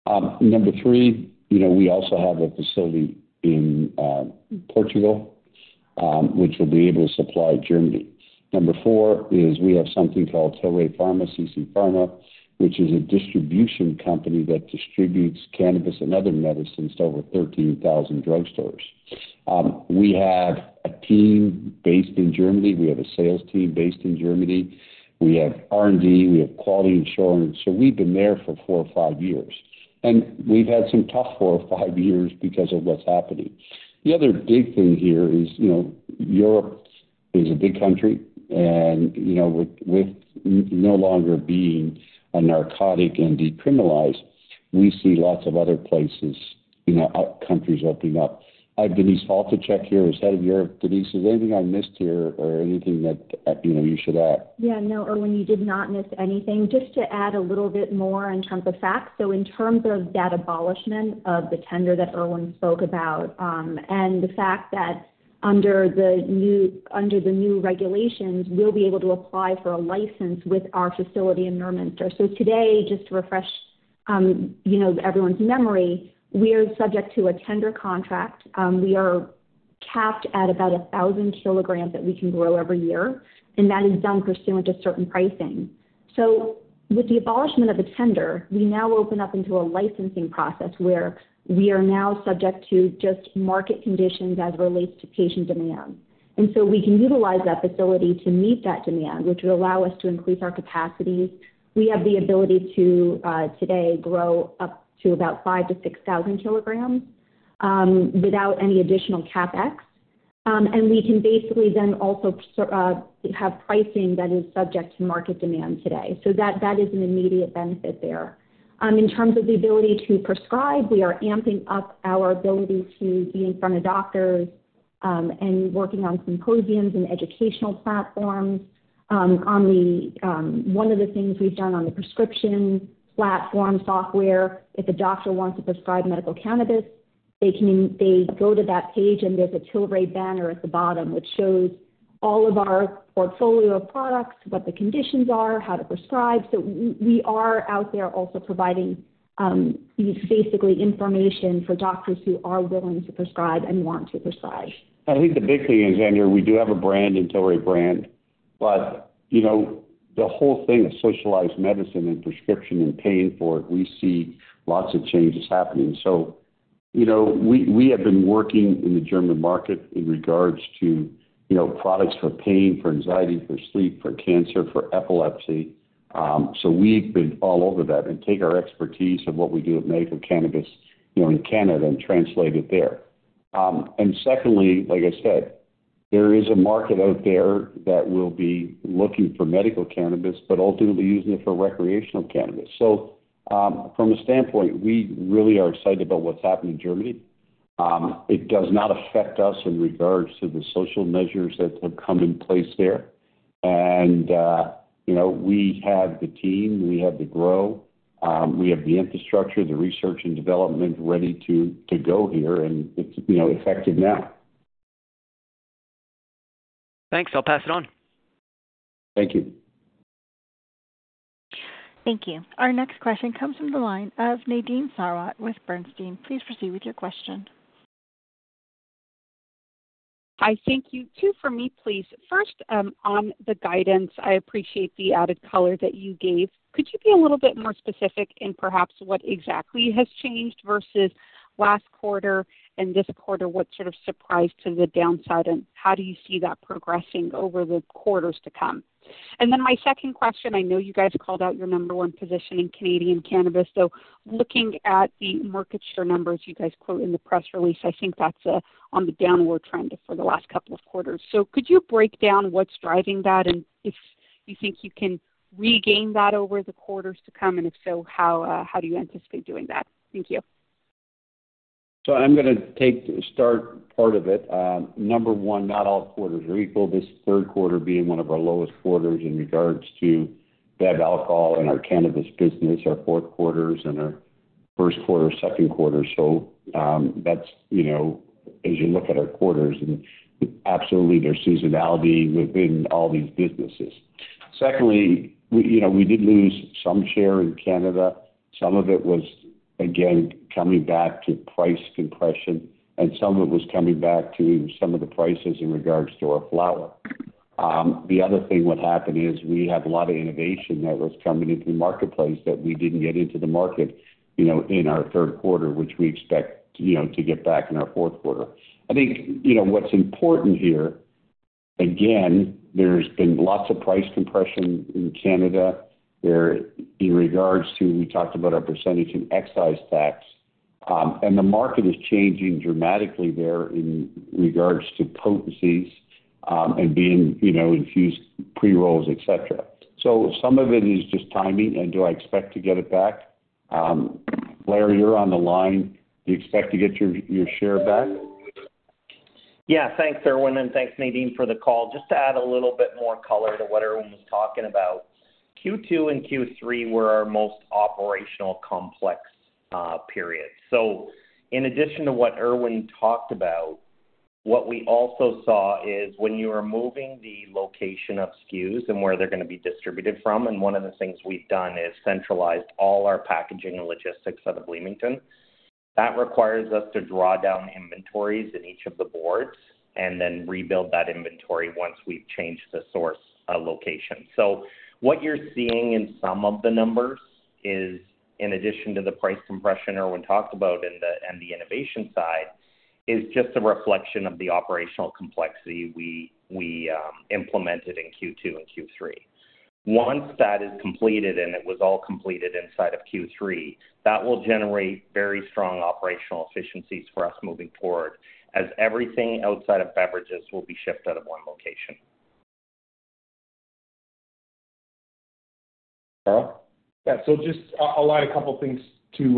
Number three, you know, we also have a facility in Portugal, which will be able to supply Germany. Number four is we have something called Tilray Pharmacies and Pharma, which is a distribution company that distributes cannabis and other medicines to over 13,000 drugstores. We have a team based in Germany. We have a sales team based in Germany. We have R&D, we have quality assurance. So we've been there for 4 or 5 years, and we've had some tough 4 or 5 years because of what's happening. The other big thing here is, you know, Europe is a big country, and, you know, with, with no longer being a narcotic and decriminalized, we see lots of other places, you know, countries opening up. I have Denise Faltischek here, who's head of Europe. Denise, is there anything I missed here or anything that, you know, you should add? Yeah. No, Irwin, you did not miss anything. Just to add a little bit more in terms of facts. So in terms of that abolishment of the tender that Irwin spoke about, and the fact that under the new regulations, we'll be able to apply for a license with our facility in Neumünster. So today, just to refresh, you know, everyone's memory, we are subject to a tender contract. We are capped at about 1,000 kilograms that we can grow every year, and that is done pursuant to certain pricing. So with the abolishment of the tender, we now open up into a licensing process where we are now subject to just market conditions as it relates to patient demand. And so we can utilize that facility to meet that demand, which will allow us to increase our capacities. We have the ability to, today, grow up to about 5,000-6,000 kilograms without any additional CapEx. We can basically then also have pricing that is subject to market demand today. That is an immediate benefit there. In terms of the ability to prescribe, we are amping up our ability to be in front of doctors and working on symposiums and educational platforms. On the one of the things we've done on the prescription platform software, if a doctor wants to prescribe medical cannabis, they can go to that page, and there's a Tilray banner at the bottom, which shows all of our portfolio of products, what the conditions are, how to prescribe. We are out there also providing basically information for doctors who are willing to prescribe and want to prescribe. I think the big thing is, Andrew, we do have a brand in Tilray brand. But, you know, the whole thing of socialized medicine and prescription and paying for it, we see lots of changes happening. So, you know, we have been working in the German market in regards to, you know, products for pain, for anxiety, for sleep, for cancer, for epilepsy. So we've been all over that and take our expertise of what we do at medical cannabis, you know, in Canada, and translate it there. And secondly, like I said, there is a market out there that will be looking for medical cannabis, but ultimately using it for recreational cannabis. So, from a standpoint, we really are excited about what's happening in Germany. It does not affect us in regards to the social measures that have come in place there. And, you know, we have the team, we have the grow, we have the infrastructure, the research and development ready to go here, and it's, you know, effective now. Thanks. I'll pass it on. Thank you. Thank you. Our next question comes from the line of Nadine Sarwat with Bernstein. Please proceed with your question. Hi, thank you. Two for me, please. First, on the guidance, I appreciate the added color that you gave. Could you be a little bit more specific in perhaps what exactly has changed versus last quarter and this quarter? What sort of surprise to the downside, and how do you see that progressing over the quarters to come? And then my second question, I know you guys called out your number one position in Canadian cannabis, so looking at the market share numbers you guys quote in the press release, I think that's on the downward trend for the last couple of quarters. So could you break down what's driving that? And if you think you can regain that over the quarters to come, and if so, how do you anticipate doing that? Thank you. So I'm gonna take start part of it. Number one, not all quarters are equal. This Q3 being one of our lowest quarters in regards to Bev Alcohol and our cannabis business, our Q4s and our first quarter, second quarter. So that's, you know, as you look at our quarters, and absolutely, there's seasonality within all these businesses. Secondly, we, you know, we did lose some share in Canada. Some of it was, again, coming back to price compression, and some of it was coming back to some of the prices in regards to our flower. The other thing, what happened is we had a lot of innovation that was coming into the marketplace that we didn't get into the market, you know, in our Q3, which we expect, you know, to get back in our Q4. I think, you know, what's important here, again, there's been lots of price compression in Canada, where in regards to, we talked about our percentage in excise tax, and the market is changing dramatically there in regards to potencies, and being, you know, infused pre-rolls, et cetera. So some of it is just timing, and do I expect to get it back? Blair, you're on the line. Do you expect to get your, your share back? Yeah, thanks, Irwin, and thanks, Nadine, for the call. Just to add a little bit more color to what Irwin was talking about, Q2 and Q3 were our most operational complex periods. So in addition to what Irwin talked about, what we also saw is when you are moving the location of SKUs and where they're gonna be distributed from, and one of the things we've done is centralized all our packaging and logistics out of Bloomington, that requires us to draw down inventories in each of the brands and then rebuild that inventory once we've changed the source location. So what you're seeing in some of the numbers is, in addition to the price compression Irwin talked about and the, and the innovation side, is just a reflection of the operational complexity we, we, implemented in Q2 and Q3. Once that is completed, and it was all completed inside of Q3, that will generate very strong operational efficiencies for us moving forward, as everything outside of beverages will be shipped out of one location. Carl? Yeah, so just I'll add a couple of things to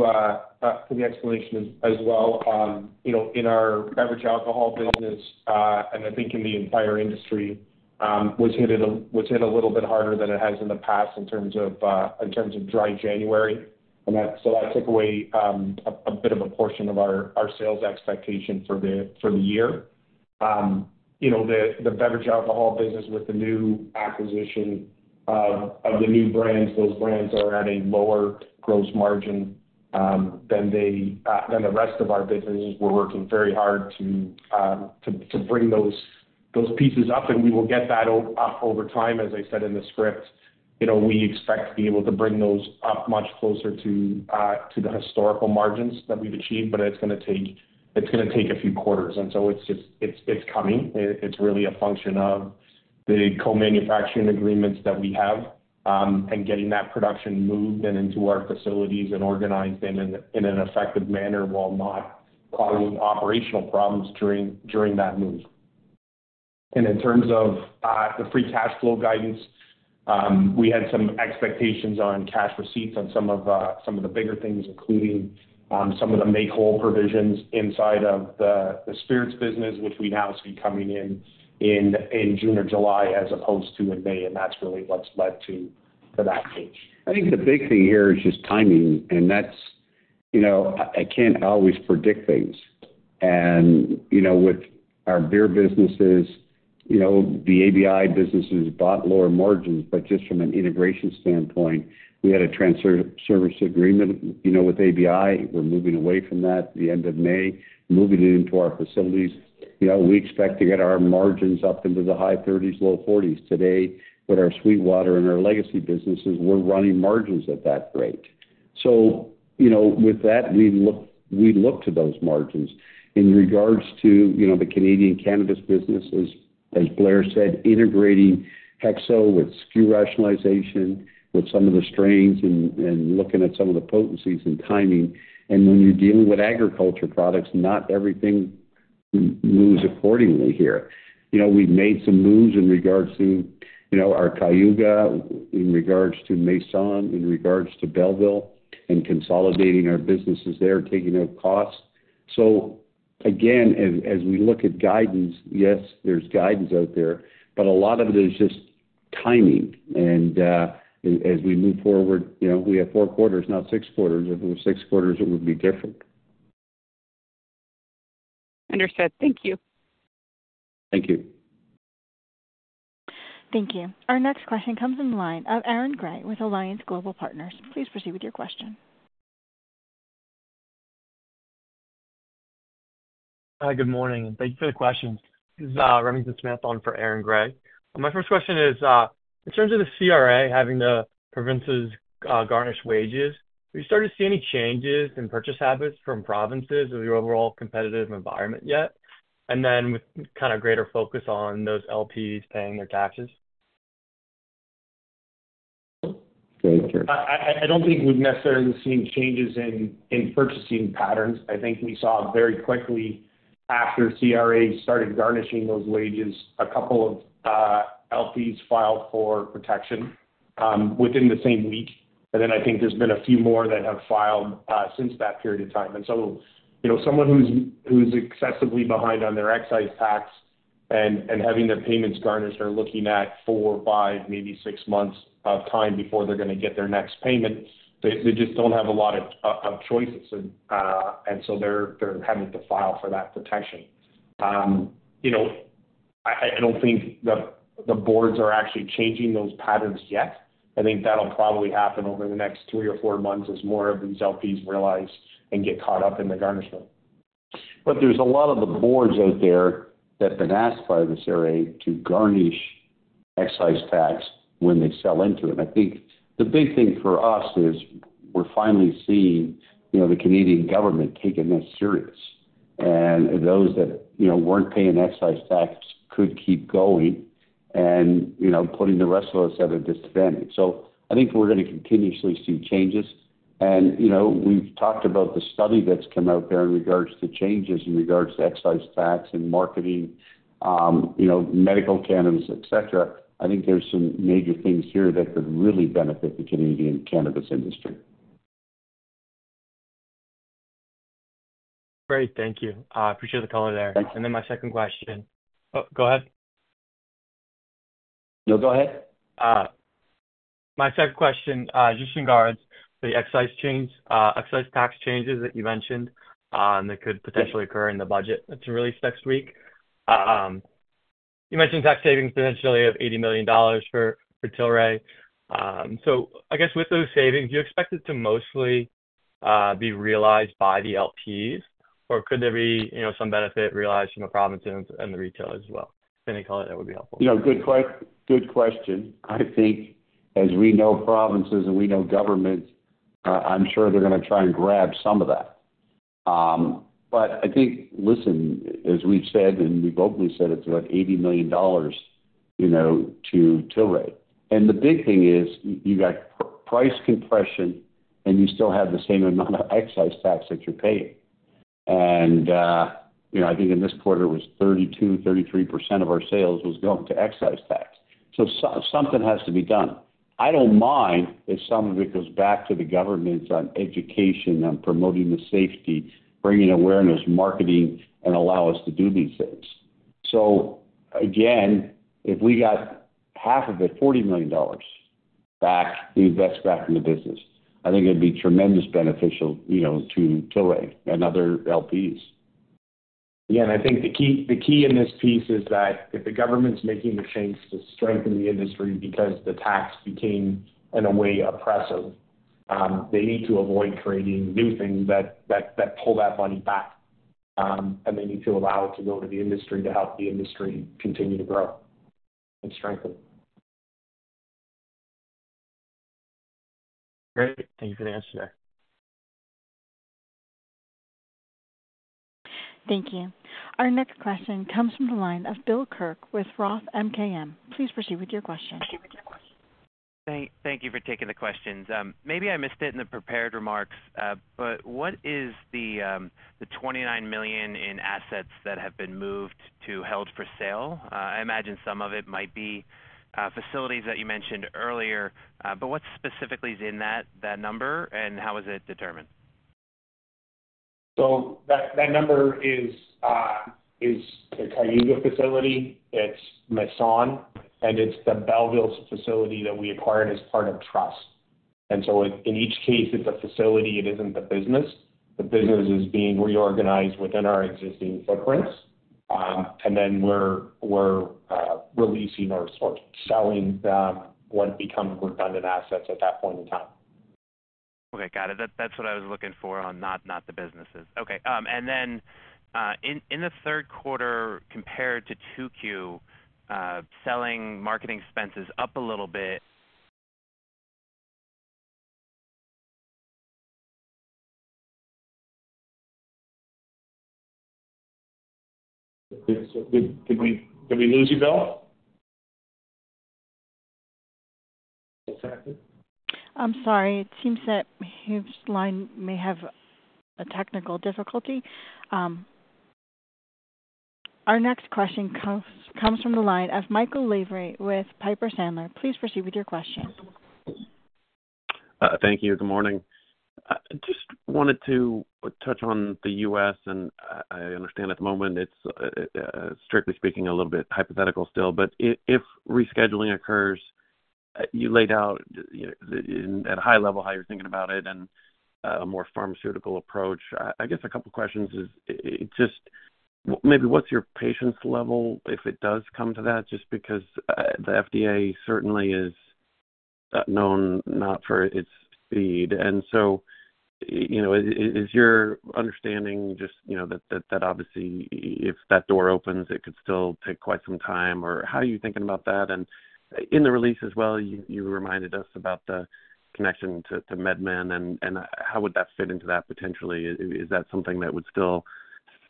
the explanation as well. You know, in our beverage alcohol business, and I think in the entire industry, was hit a little bit harder than it has in the past in terms of dry January. And that so that took away a bit of a portion of our sales expectation for the year. You know, the beverage alcohol business with the new acquisition of the new brands, those brands are at a lower gross margin than the rest of our businesses. We're working very hard to bring those pieces up, and we will get that up over time. As I said in the script, you know, we expect to be able to bring those up much closer to the historical margins that we've achieved, but it's gonna take, it's gonna take a few quarters, and so it's just... it's coming. It's really a function of the co-manufacturing agreements that we have, and getting that production moved and into our facilities and organized in an effective manner while not causing operational problems during that move. And in terms of the free cash flow guidance, we had some expectations on cash receipts on some of the bigger things, including some of the make-whole provisions inside of the spirits business, which we now see coming in June or July, as opposed to in May, and that's really what's led to that change. I think the big thing here is just timing, and that's, you know, I can't always predict things. And, you know, with our beer businesses, you know, the ABI businesses bought lower margins, but just from an integration standpoint, we had a transfer service agreement, you know, with ABI. We're moving away from that at the end of May, moving it into our facilities... you know, we expect to get our margins up into the high 30s, low 40s. Today, with our Sweetwater and our legacy businesses, we're running margins at that rate. So, you know, with that, we look, we look to those margins. In regards to, you know, the Canadian cannabis businesses, as Blair said, integrating HEXO with SKU rationalization, with some of the strains and, and looking at some of the potencies and timing, and when you're dealing with agriculture products, not everything moves accordingly here. You know, we've made some moves in regards to, you know, our Cayuga, in regards to Maison, in regards to Belleville and consolidating our businesses there, taking out costs. So again, as we look at guidance, yes, there's guidance out there, but a lot of it is just timing. And as we move forward, you know, we have four quarters, not six quarters. If it were six quarters, it would be different. Understood. Thank you. Thank you. Thank you. Our next question comes in the line of Aaron Gray with Alliance Global Partners. Please proceed with your question. Hi, good morning, and thank you for the questions. This is Remington Smith on for Aaron Gray. My first question is, in terms of the CRA having the provinces, garnish wages, have you started to see any changes in purchase habits from provinces or your overall competitive environment yet? And then with kind of greater focus on those LPs paying their taxes. Go ahead, Kirk. I don't think we've necessarily seen changes in purchasing patterns. I think we saw very quickly after CRA started garnishing those wages, a couple of LPs filed for protection within the same week. Then I think there's been a few more that have filed since that period of time. So, you know, someone who's excessively behind on their excise tax and having their payments garnished are looking at four, five, maybe six months of time before they're gonna get their next payment. They just don't have a lot of choices. So they're having to file for that protection. You know, I don't think the boards are actually changing those patterns yet. I think that'll probably happen over the next 2 or 4 months as more of these LPs realize and get caught up in the garnishment. But there's a lot of the brands out there that have been asked by the CRA to garnish excise tax when they sell into it. I think the big thing for us is we're finally seeing, you know, the Canadian government taking this serious. And those that, you know, weren't paying excise tax could keep going and, you know, putting the rest of us at a disadvantage. So I think we're gonna continuously see changes. And, you know, we've talked about the study that's come out there in regards to changes in regards to excise tax and marketing, you know, medical cannabis, et cetera. I think there's some major things here that could really benefit the Canadian cannabis industry. Great, thank you. Appreciate the color there. Thanks. And then my second question. Oh, go ahead. No, go ahead. My second question just regards the excise change, excise tax changes that you mentioned, and that could potentially occur in the budget that's released next week. You mentioned tax savings potentially of $80 million for, for Tilray. So I guess with those savings, do you expect it to mostly be realized by the LPs, or could there be, you know, some benefit realized from the provinces and the retailers as well? Any color there would be helpful. You know, good question. I think as we know, provinces and we know government, I'm sure they're gonna try and grab some of that. But I think, listen, as we've said, and we've openly said, it's about $80 million, you know, to Tilray. And the big thing is you got price compression, and you still have the same amount of excise tax that you're paying. And, you know, I think in this quarter, it was 32%-33% of our sales was going to excise tax. So something has to be done. I don't mind if some of it goes back to the governments on education, on promoting the safety, bringing awareness, marketing, and allow us to do these things. So again, if we got half of it, $40 million back, we invest back in the business. I think it'd be tremendously beneficial, you know, to Tilray and other LPs. Yeah, and I think the key in this piece is that if the government's making the change to strengthen the industry because the tax became, in a way, oppressive, they need to avoid creating new things that pull that money back. And they need to allow it to go to the industry to help the industry continue to grow and strengthen. Great. Thank you for the answer there. Thank you. Our next question comes from the line of Bill Kirk with Roth MKM. Please proceed with your question. Thank you for taking the questions. Maybe I missed it in the prepared remarks, but what is the $29 million in assets that have been moved to held for sale? I imagine some of it might be facilities that you mentioned earlier, but what specifically is in that number, and how is it determined? That number is the Cayuga facility, it's Maison, and it's the Belleville facility that we acquired as part of Trust. And so in each case, it's a facility, it isn't the business. The business is being reorganized within our existing footprints. And then we're releasing or sort of selling what become redundant assets at that point in time. ... Okay, got it. That, that's what I was looking for on, not the businesses. Okay, and then, in the Q3 compared to 2Q, selling marketing expense is up a little bit. Did we lose you, Bill? Exactly. I'm sorry. It seems that his line may have a technical difficulty. Our next question comes from the line of Michael Lavery, with Piper Sandler. Please proceed with your question. Thank you. Good morning. Just wanted to touch on the U.S., and I understand at the moment it's strictly speaking a little bit hypothetical still. But if rescheduling occurs, you laid out, you know, at a high level, how you're thinking about it and a more pharmaceutical approach. I guess a couple questions is just maybe what's your patience level if it does come to that? Just because the FDA certainly is known not for its speed, and so, you know, is your understanding just, you know, that obviously, if that door opens, it could still take quite some time, or how are you thinking about that? And in the release as well, you reminded us about the connection to MedMen, and how would that fit into that potentially? Is that something that would still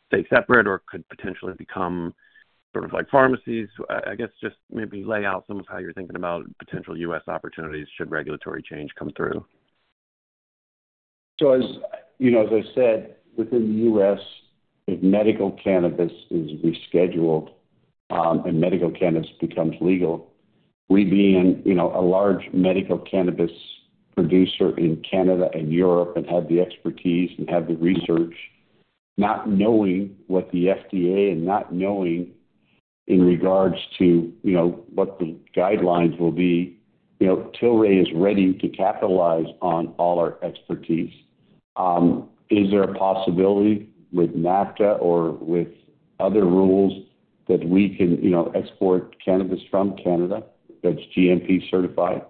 stay separate or could potentially become sort of like pharmacies? I guess just maybe lay out some of how you're thinking about potential US opportunities should regulatory change come through. So as you know, as I said, within the U.S., if medical cannabis is rescheduled, and medical cannabis becomes legal, we being, you know, a large medical cannabis producer in Canada and Europe and have the expertise and have the research, not knowing what the FDA and not knowing in regards to, you know, what the guidelines will be, you know, Tilray is ready to capitalize on all our expertise. Is there a possibility with NAFTA or with other rules that we can, you know, export cannabis from Canada that's GMP certified?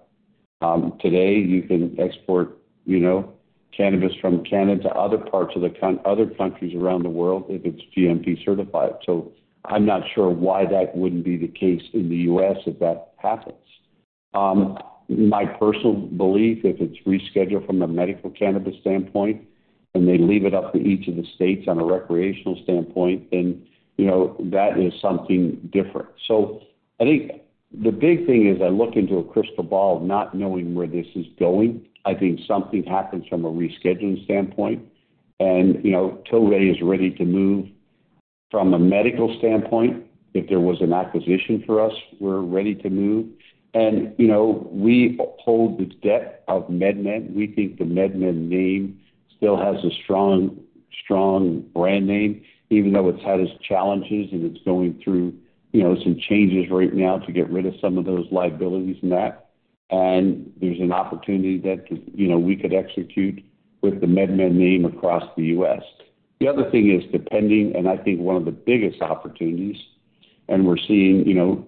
Today, you can export, you know, cannabis from Canada to other countries around the world if it's GMP certified. So I'm not sure why that wouldn't be the case in the U.S. if that happens. My personal belief, if it's rescheduled from a medical cannabis standpoint, and they leave it up to each of the states on a recreational standpoint, then, you know, that is something different. So I think the big thing is I look into a crystal ball not knowing where this is going. I think something happens from a rescheduling standpoint, and, you know, Tilray is ready to move from a medical standpoint. If there was an acquisition for us, we're ready to move. And, you know, we hold the debt of MedMen. We think the MedMen name still has a strong, strong brand name, even though it's had its challenges, and it's going through, you know, some changes right now to get rid of some of those liabilities and that. And there's an opportunity that could... You know, we could execute with the MedMen name across the U.S. The other thing is depending, and I think one of the biggest opportunities, and we're seeing, you know,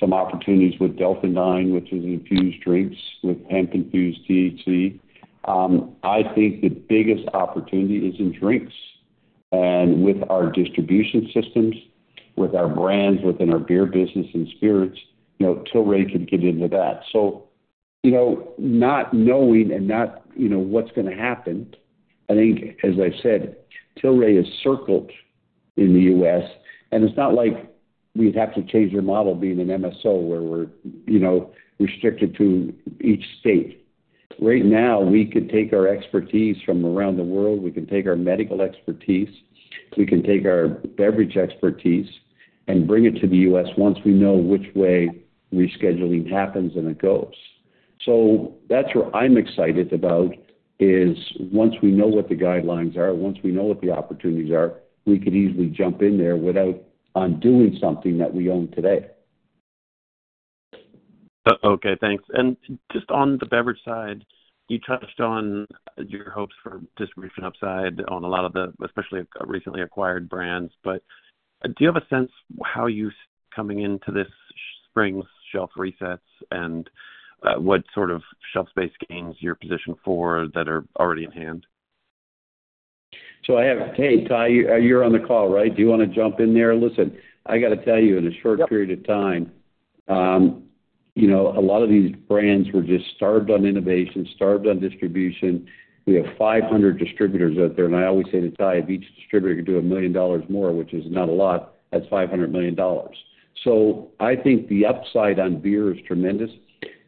some opportunities with Delta-9, which is infused drinks with hemp infused THC. I think the biggest opportunity is in drinks and with our distribution systems, with our brands, within our beer business and spirits, you know, Tilray can get into that. So, you know, not knowing and not, you know, what's gonna happen, I think, as I've said, Tilray is circled in the U.S., and it's not like we'd have to change our model being an MSO, where we're, you know, restricted to each state. Right now, we could take our expertise from around the world, we can take our medical expertise, we can take our beverage expertise and bring it to the U.S. once we know which way rescheduling happens and it goes. That's what I'm excited about. Once we know what the guidelines are, once we know what the opportunities are, we could easily jump in there without undoing something that we own today. Okay, thanks. Just on the beverage side, you touched on your hopes for distribution upside on a lot of the, especially recently acquired brands. But do you have a sense how you coming into this spring's shelf resets and what sort of shelf space gains you're positioned for that are already in hand? Hey, Ty, you're on the call, right? Do you wanna jump in there? Listen, I gotta tell you, in a short period of time... Yep. You know, a lot of these brands were just starved on innovation, starved on distribution. We have 500 distributors out there, and I always say to Ty, if each distributor could do $1 million more, which is not a lot, that's $500 million. So I think the upside on beer is tremendous.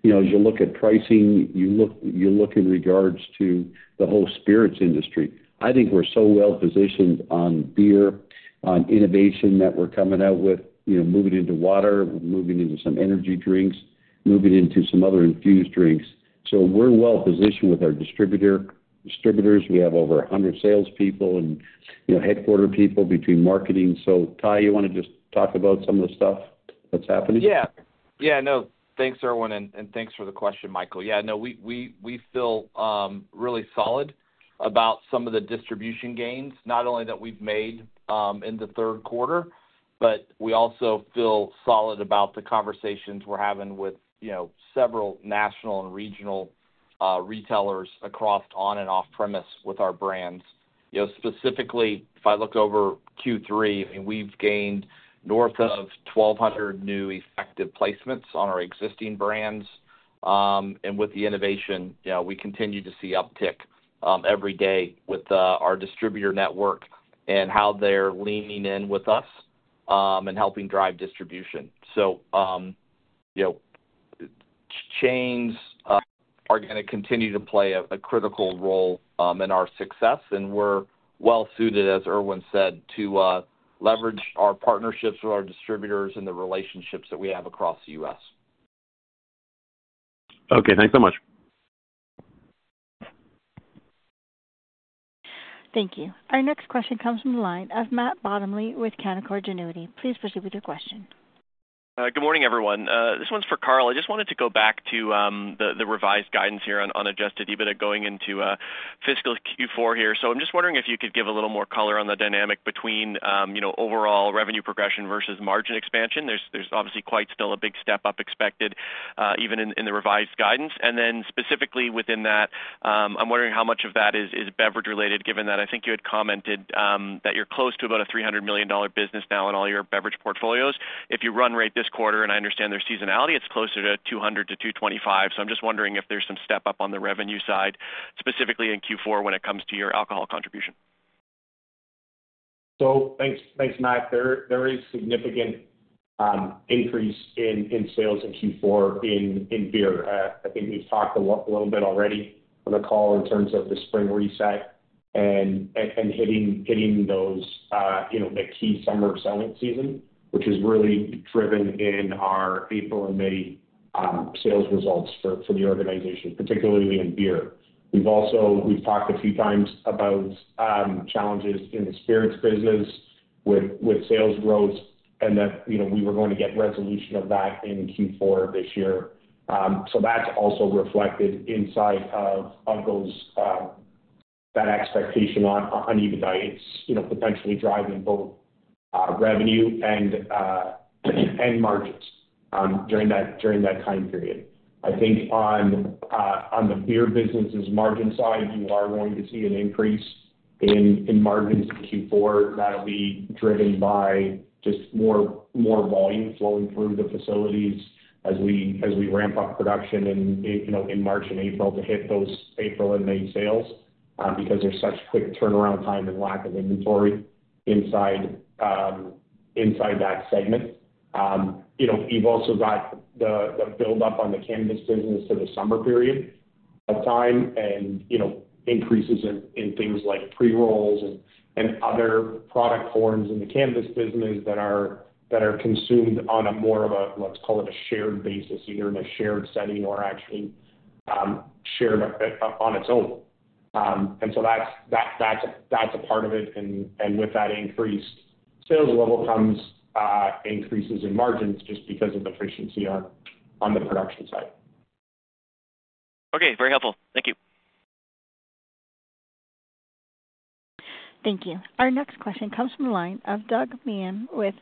You know, as you look at pricing, you look, you look in regards to the whole spirits industry. I think we're so well positioned on beer, on innovation, that we're coming out with, you know, moving into water, moving into some energy drinks, moving into some other infused drinks. So we're well positioned with our distributor, distributors. We have over 100 salespeople and, you know, headquarters people between marketing. So, Ty, you want to just talk about some of the stuff that's happening? Yeah. Yeah, I know. Thanks, Irwin, and thanks for the question, Michael. Yeah, no, we feel really solid.... about some of the distribution gains, not only that we've made in the Q3, but we also feel solid about the conversations we're having with, you know, several national and regional retailers across on and off premise with our brands. You know, specifically, if I look over Q3, I mean, we've gained north of 1,200 new effective placements on our existing brands. And with the innovation, you know, we continue to see uptick every day with our distributor network and how they're leaning in with us and helping drive distribution. So, you know, chains are gonna continue to play a critical role in our success, and we're well suited, as Irwin said, to leverage our partnerships with our distributors and the relationships that we have across the U.S. Okay, thanks so much. Thank you. Our next question comes from the line of Matt Bottomley with Canaccord Genuity. Please proceed with your question. Good morning, everyone. This one's for Carl. I just wanted to go back to the revised guidance here on adjusted EBITDA going into fiscal Q4 here. So I'm just wondering if you could give a little more color on the dynamic between, you know, overall revenue progression versus margin expansion. There's obviously quite still a big step up expected, even in the revised guidance. And then specifically within that, I'm wondering how much of that is beverage related, given that I think you had commented that you're close to about a $300 million business now in all your beverage portfolios. If you run rate this quarter, and I understand there's seasonality, it's closer to $200-$225. I'm just wondering if there's some step up on the revenue side, specifically in Q4, when it comes to your alcohol contribution? Thanks, Matt. There is significant increase in sales in Q4 in beer. I think we've talked a little bit already on the call in terms of the spring reset and hitting those, you know, the key summer selling season, which is really driven in our April and May sales results for the organization, particularly in beer. We've also talked a few times about challenges in the spirits business with sales growth, and that, you know, we were going to get resolution of that in Q4 this year. So that's also reflected inside of that expectation on EBITDA. It's, you know, potentially driving both revenue and margins during that time period. I think on the beer business's margin side, you are going to see an increase in margins in Q4, and that'll be driven by just more volume flowing through the facilities as we ramp up production in, you know, in March and April to hit those April and May sales, because there's such quick turnaround time and lack of inventory inside that segment. You know, we've also got the build up on the cannabis business for the summer period of time and increases in things like pre-rolls and other product forms in the cannabis business that are consumed on a more of a, let's call it, a shared basis, either in a shared setting or actually shared on its own. And so that's a part of it. With that increased sales level comes increases in margins just because of efficiency on the production side. Okay. Very helpful. Thank you. Thank you. Our next question comes from the line of Doug Miehm with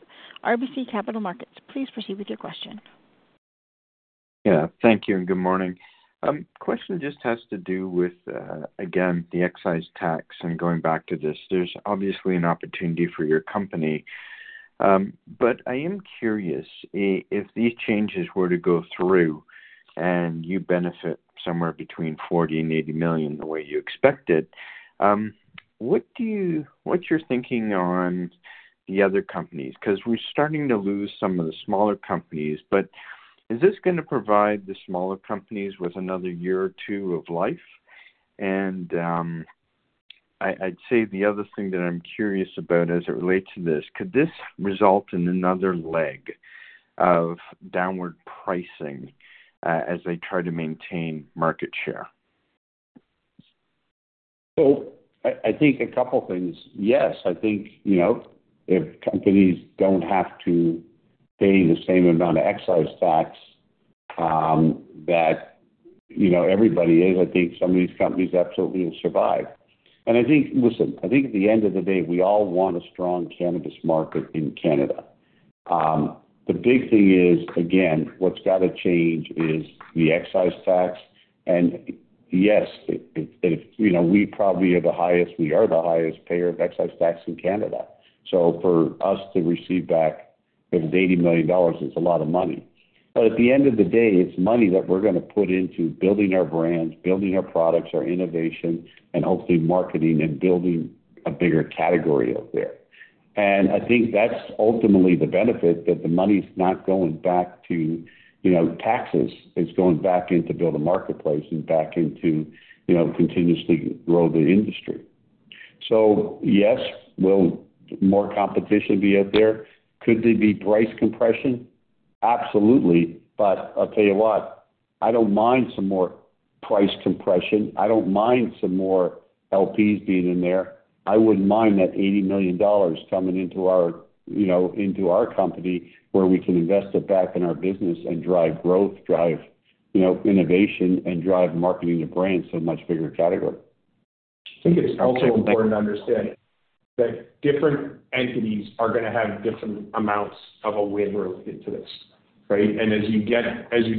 RBC Capital Markets. Please proceed with your question. Yeah, thank you, and good morning. Question just has to do with, again, the excise tax and going back to this. There's obviously an opportunity for your company. But I am curious, if these changes were to go through and you benefit somewhere between $40 million-$80 million, the way you expected, what do you... What's your thinking on the other companies? Because we're starting to lose some of the smaller companies, but is this gonna provide the smaller companies with another year or two of life? And, I'd say the other thing that I'm curious about as it relates to this, could this result in another leg of downward pricing, as they try to maintain market share? So I think a couple things. Yes, I think, you know, if companies don't have to pay the same amount of excise tax, that, you know, everybody is, I think some of these companies absolutely will survive. And I think, listen, I think at the end of the day, we all want a strong cannabis market in Canada. The big thing is, again, what's got to change is the excise tax. And yes, it, you know, we probably are the highest, we are the highest payer of excise tax in Canada. So for us to receive back, if it's $80 million, it's a lot of money. But at the end of the day, it's money that we're gonna put into building our brands, building our products, our innovation, and hopefully marketing and building a bigger category out there. I think that's ultimately the benefit, that the money's not going back to, you know, taxes. It's going back in to build a marketplace and back into, you know, continuously grow the industry. So yes, will more competition be out there? Could there be price compression? Absolutely. But I'll tell you what, I don't mind some more price compression. I don't mind some more LPs being in there. I wouldn't mind that $80 million coming into our, you know, into our company, where we can invest it back in our business and drive growth, drive, you know, innovation and drive marketing the brand, so a much bigger category.... I think it's also important to understand that different entities are gonna have different amounts of a win related to this, right? And as you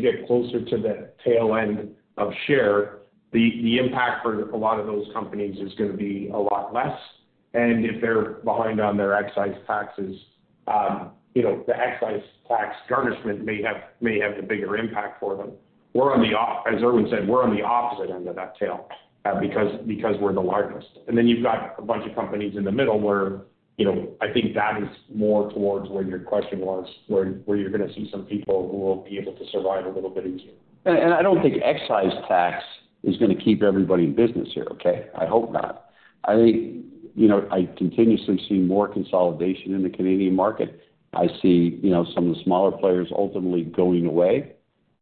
get closer to the tail end of share, the impact for a lot of those companies is gonna be a lot less. And if they're behind on their excise taxes, you know, the excise tax garnishment may have a bigger impact for them. We're on the op-- as Irwin said, we're on the opposite end of that tail, because we're the largest. And then you've got a bunch of companies in the middle where, you know, I think that is more towards where your question was, where you're gonna see some people who will be able to survive a little bit easier. And I don't think excise tax is gonna keep everybody in business here, okay? I hope not. I, you know, I continuously see more consolidation in the Canadian market. I see, you know, some of the smaller players ultimately going away,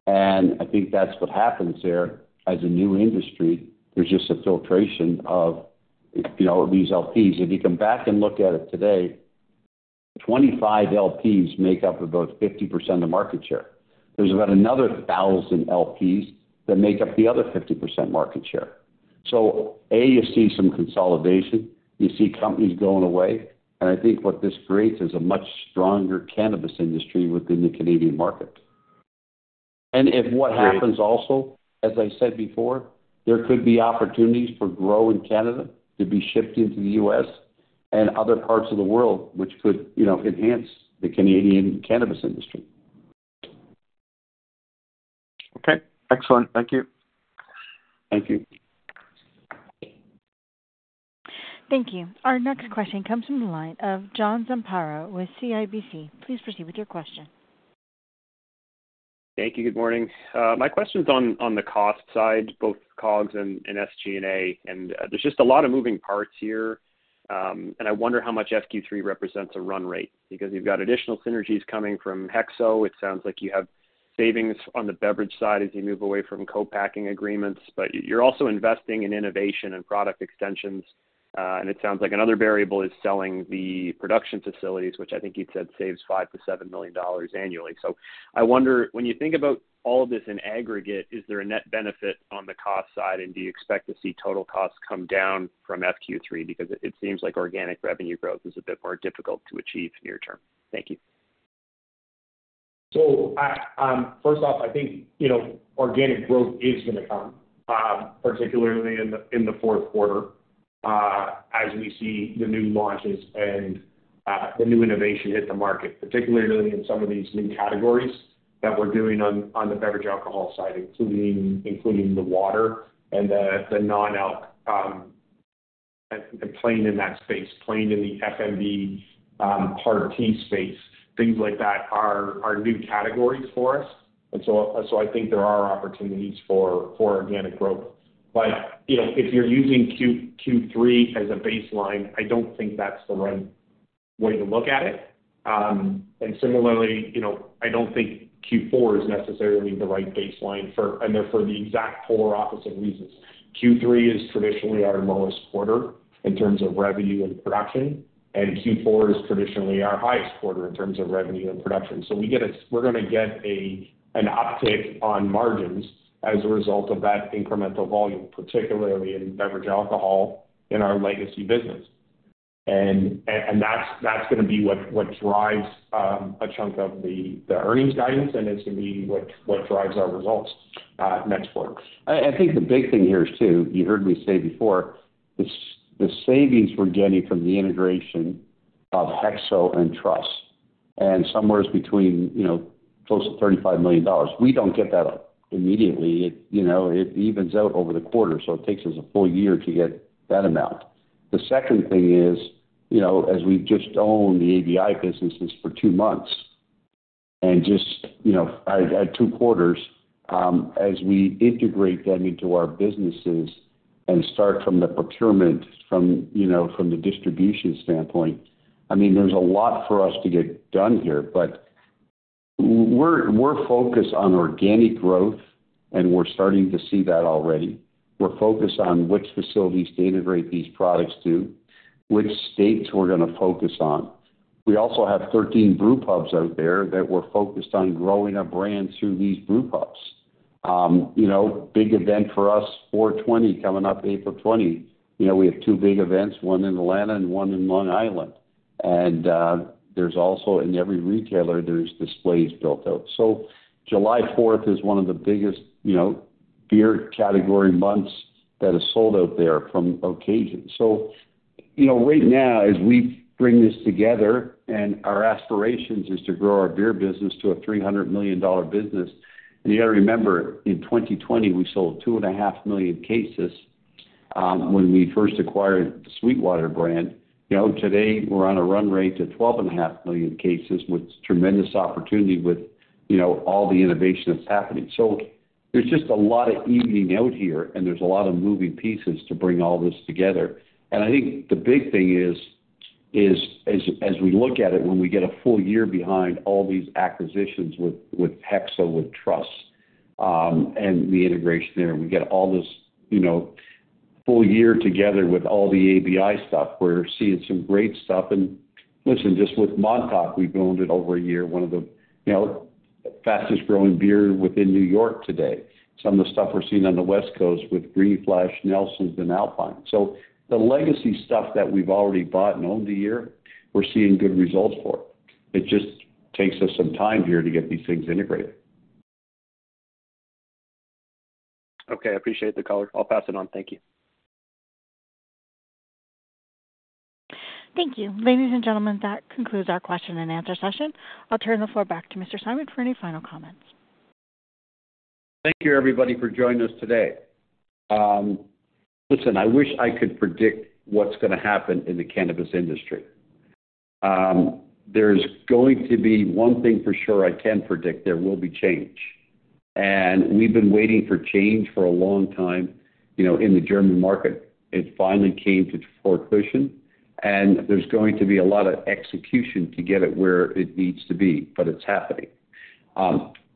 and I think that's what happens there. As a new industry, there's just a filtration of, you know, these LPs. If you come back and look at it today, 25 LPs make up about 50% of market share. There's about another 1,000 LPs that make up the other 50% market share. So A, you see some consolidation, you see companies going away, and I think what this creates is a much stronger cannabis industry within the Canadian market. If what happens also, as I said before, there could be opportunities for Grow in Canada to be shipped into the U.S. and other parts of the world, which could, you know, enhance the Canadian cannabis industry. Okay, excellent. Thank you. Thank you. Thank you. Our next question comes from the line of John Zamparo with CIBC. Please proceed with your question. Thank you. Good morning. My question's on the cost side, both COGS and SG&A, and there's just a lot of moving parts here. I wonder how much SQ3 represents a run rate, because you've got additional synergies coming from HEXO. It sounds like you have savings on the beverage side as you move away from co-packing agreements, but you're also investing in innovation and product extensions. It sounds like another variable is selling the production facilities, which I think you'd said saves $5 million-$7 million annually. So I wonder, when you think about all of this in aggregate, is there a net benefit on the cost side? And do you expect to see total costs come down from SQ3? Because it seems like organic revenue growth is a bit more difficult to achieve near term. Thank you. So I, first off, I think, you know, organic growth is gonna come, particularly in the, in the Q4, as we see the new launches and, the new innovation hit the market, particularly in some of these new categories that we're doing on, on the beverage alcohol side, including, the water and the, the non-alc, and playing in that space, playing in the FMB, hard tea space, things like that are, new categories for us. And so, I think there are opportunities for, organic growth. But, you know, if you're using Q3 as a baseline, I don't think that's the right way to look at it. And similarly, you know, I don't think Q4 is necessarily the right baseline for... And they're for the exact polar opposite reasons. Q3 is traditionally our lowest quarter in terms of revenue and production, and Q4 is traditionally our highest quarter in terms of revenue and production. So we're gonna get an uptick on margins as a result of that incremental volume, particularly in beverage alcohol in our legacy business. And that's gonna be what drives a chunk of the earnings guidance, and it's gonna be what drives our results next quarter. I think the big thing here is, too, you heard me say before, the savings we're getting from the integration of HEXO and Trust, and somewhere between, you know, close to $35 million, we don't get that immediately. You know, it evens out over the quarter, so it takes us a full year to get that amount. The second thing is, you know, as we've just owned the ABI businesses for two months, and just, you know, at two quarters, as we integrate them into our businesses and start from the procurement from, you know, from the distribution standpoint, I mean, there's a lot for us to get done here, but we're focused on organic growth, and we're starting to see that already. We're focused on which facilities to integrate these products to, which states we're gonna focus on. We also have 13 brew pubs out there that we're focused on growing our brand through these brew pubs. You know, big event for us, 4/20 coming up, April 20. You know, we have two big events, one in Atlanta and one in Long Island. And there's also in every retailer, there's displays built out. So July Fourth is one of the biggest, you know, beer category months that is sold out there from occasions. So, you know, right now, as we bring this together and our aspirations is to grow our beer business to a $300 million business, and you gotta remember, in 2020, we sold 2.5 million cases, when we first acquired the SweetWater brand. You know, today, we're on a run rate to 12.5 million cases, with tremendous opportunity with, you know, all the innovation that's happening. So there's just a lot of evening out here, and there's a lot of moving pieces to bring all this together. And I think the big thing is, is as, as we look at it, when we get a full year behind all these acquisitions with, with HEXO, with Trust, and the integration there, and we get all this, you know, full year together with all the ABI stuff, we're seeing some great stuff. And listen, just with Montauk, we've owned it over a year, one of the, you know, fastest growing beer within New York today. Some of the stuff we're seeing on the West Coast with Green Flash, Nelson's, and Alpine. So the legacy stuff that we've already bought and owned the year, we're seeing good results for. It just takes us some time here to get these things integrated. Okay, I appreciate the color. I'll pass it on. Thank you. Thank you. Ladies and gentlemen, that concludes our question and answer session. I'll turn the floor back to Mr. Simon for any final comments. Thank you, everybody, for joining us today. Listen, I wish I could predict what's gonna happen in the cannabis industry. There's going to be one thing for sure I can predict, there will be change, and we've been waiting for change for a long time, you know, in the German market. It finally came to fruition, and there's going to be a lot of execution to get it where it needs to be, but it's happening.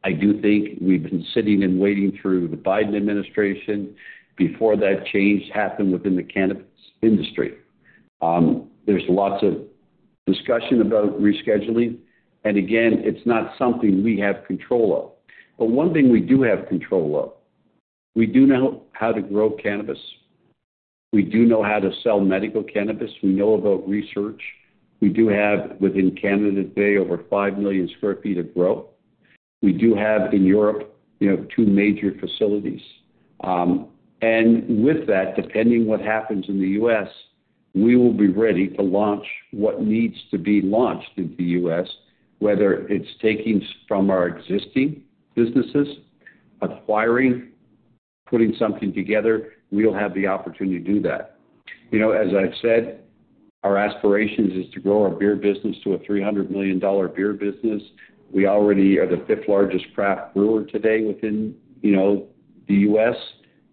I do think we've been sitting and waiting through the Biden administration before that change happened within the cannabis industry. There's lots of discussion about rescheduling, and again, it's not something we have control of. But one thing we do have control of, we do know how to grow cannabis. We do know how to sell medical cannabis. We know about research. We do have, within Canada today, over 5 million sq ft of growth. We do have in Europe, you know, two major facilities. And with that, depending what happens in the U.S., we will be ready to launch what needs to be launched in the U.S. Whether it's taking from our existing businesses, acquiring, putting something together, we'll have the opportunity to do that. You know, as I've said, our aspiration is to grow our beer business to a $300 million beer business. We already are the fifth largest craft brewer today within, you know, the U.S.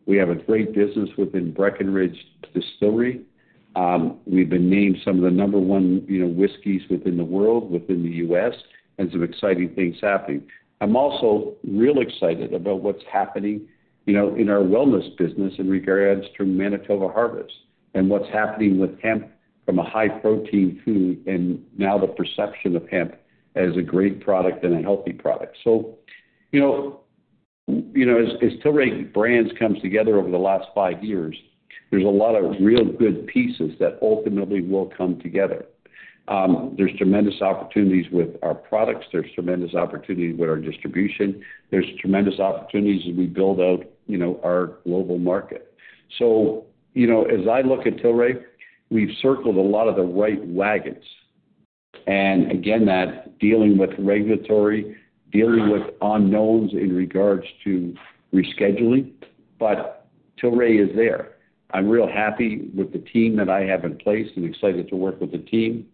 We have a great business within Breckenridge Distillery. We've been named some of the number one, you know, whiskeys within the world, within the U.S., and some exciting things happening. I'm also real excited about what's happening, you know, in our wellness business in regards to Manitoba Harvest and what's happening with hemp from a high-protein food, and now the perception of hemp as a great product and a healthy product. So, you know, as Tilray Brands comes together over the last five years, there's a lot of real good pieces that ultimately will come together. There's tremendous opportunities with our products. There's tremendous opportunity with our distribution. There's tremendous opportunities as we build out, you know, our global market. So, you know, as I look at Tilray, we've circled a lot of the right wagons. And again, that dealing with regulatory, dealing with unknowns in regards to rescheduling, but Tilray is there. I'm real happy with the team that I have in place and excited to work with the team.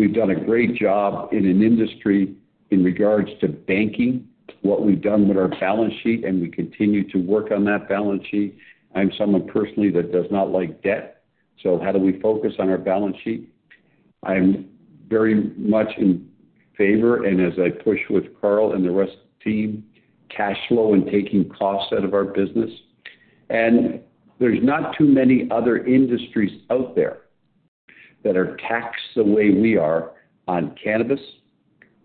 We've done a great job in an industry in regards to banking, what we've done with our balance sheet, and we continue to work on that balance sheet. I'm someone personally that does not like debt, so how do we focus on our balance sheet? I'm very much in favor, and as I push with Carl and the rest of the team, cash flow and taking costs out of our business. There's not too many other industries out there that are taxed the way we are on cannabis,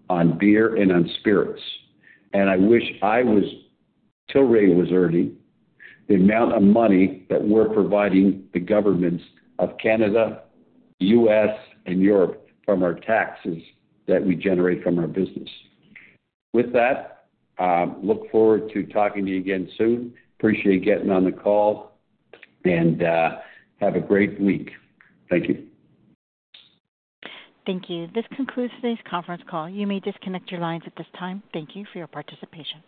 on beer, and on spirits. I wish I was - Tilray was earning the amount of money that we're providing the governments of Canada, U.S., and Europe from our taxes that we generate from our business. With that, look forward to talking to you again soon. Appreciate you getting on the call, and, have a great week. Thank you. Thank you. This concludes today's conference call. You may disconnect your lines at this time. Thank you for your participation.